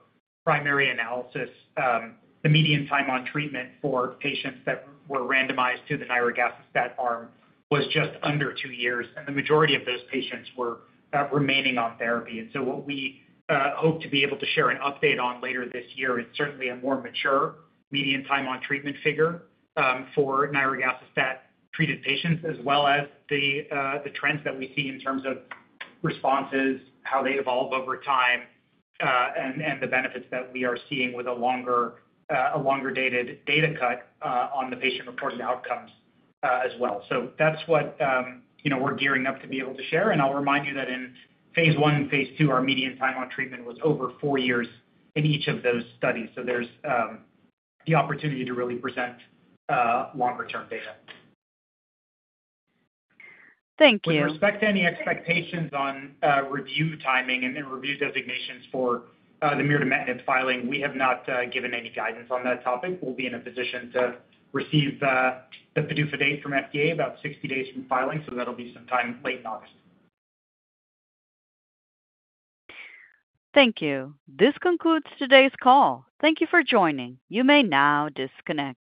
K: primary analysis, the median time on treatment for patients that were randomized to the nirogacestat arm was just under two years. And the majority of those patients were remaining on therapy. What we hope to be able to share an update on later this year is certainly a more mature median time on treatment figure for nirogacestat-treated patients, as well as the trends that we see in terms of responses, how they evolve over time, and the benefits that we are seeing with a longer-dated data cut on the patient-reported outcomes as well. So that's what we're gearing up to be able to share. I'll remind you that in phase I and phase II, our median time on treatment was over 4 years in each of those studies. So there's the opportunity to really present longer-term data.
A: Thank you.
K: With respect to any expectations on review timing and review designations for the mirdametinib filing, we have not given any guidance on that topic. We'll be in a position to receive the PDUFA date from FDA about 60 days from filing. So that'll be sometime late in August.
A: Thank you. This concludes today's call. Thank you for joining. You may now disconnect.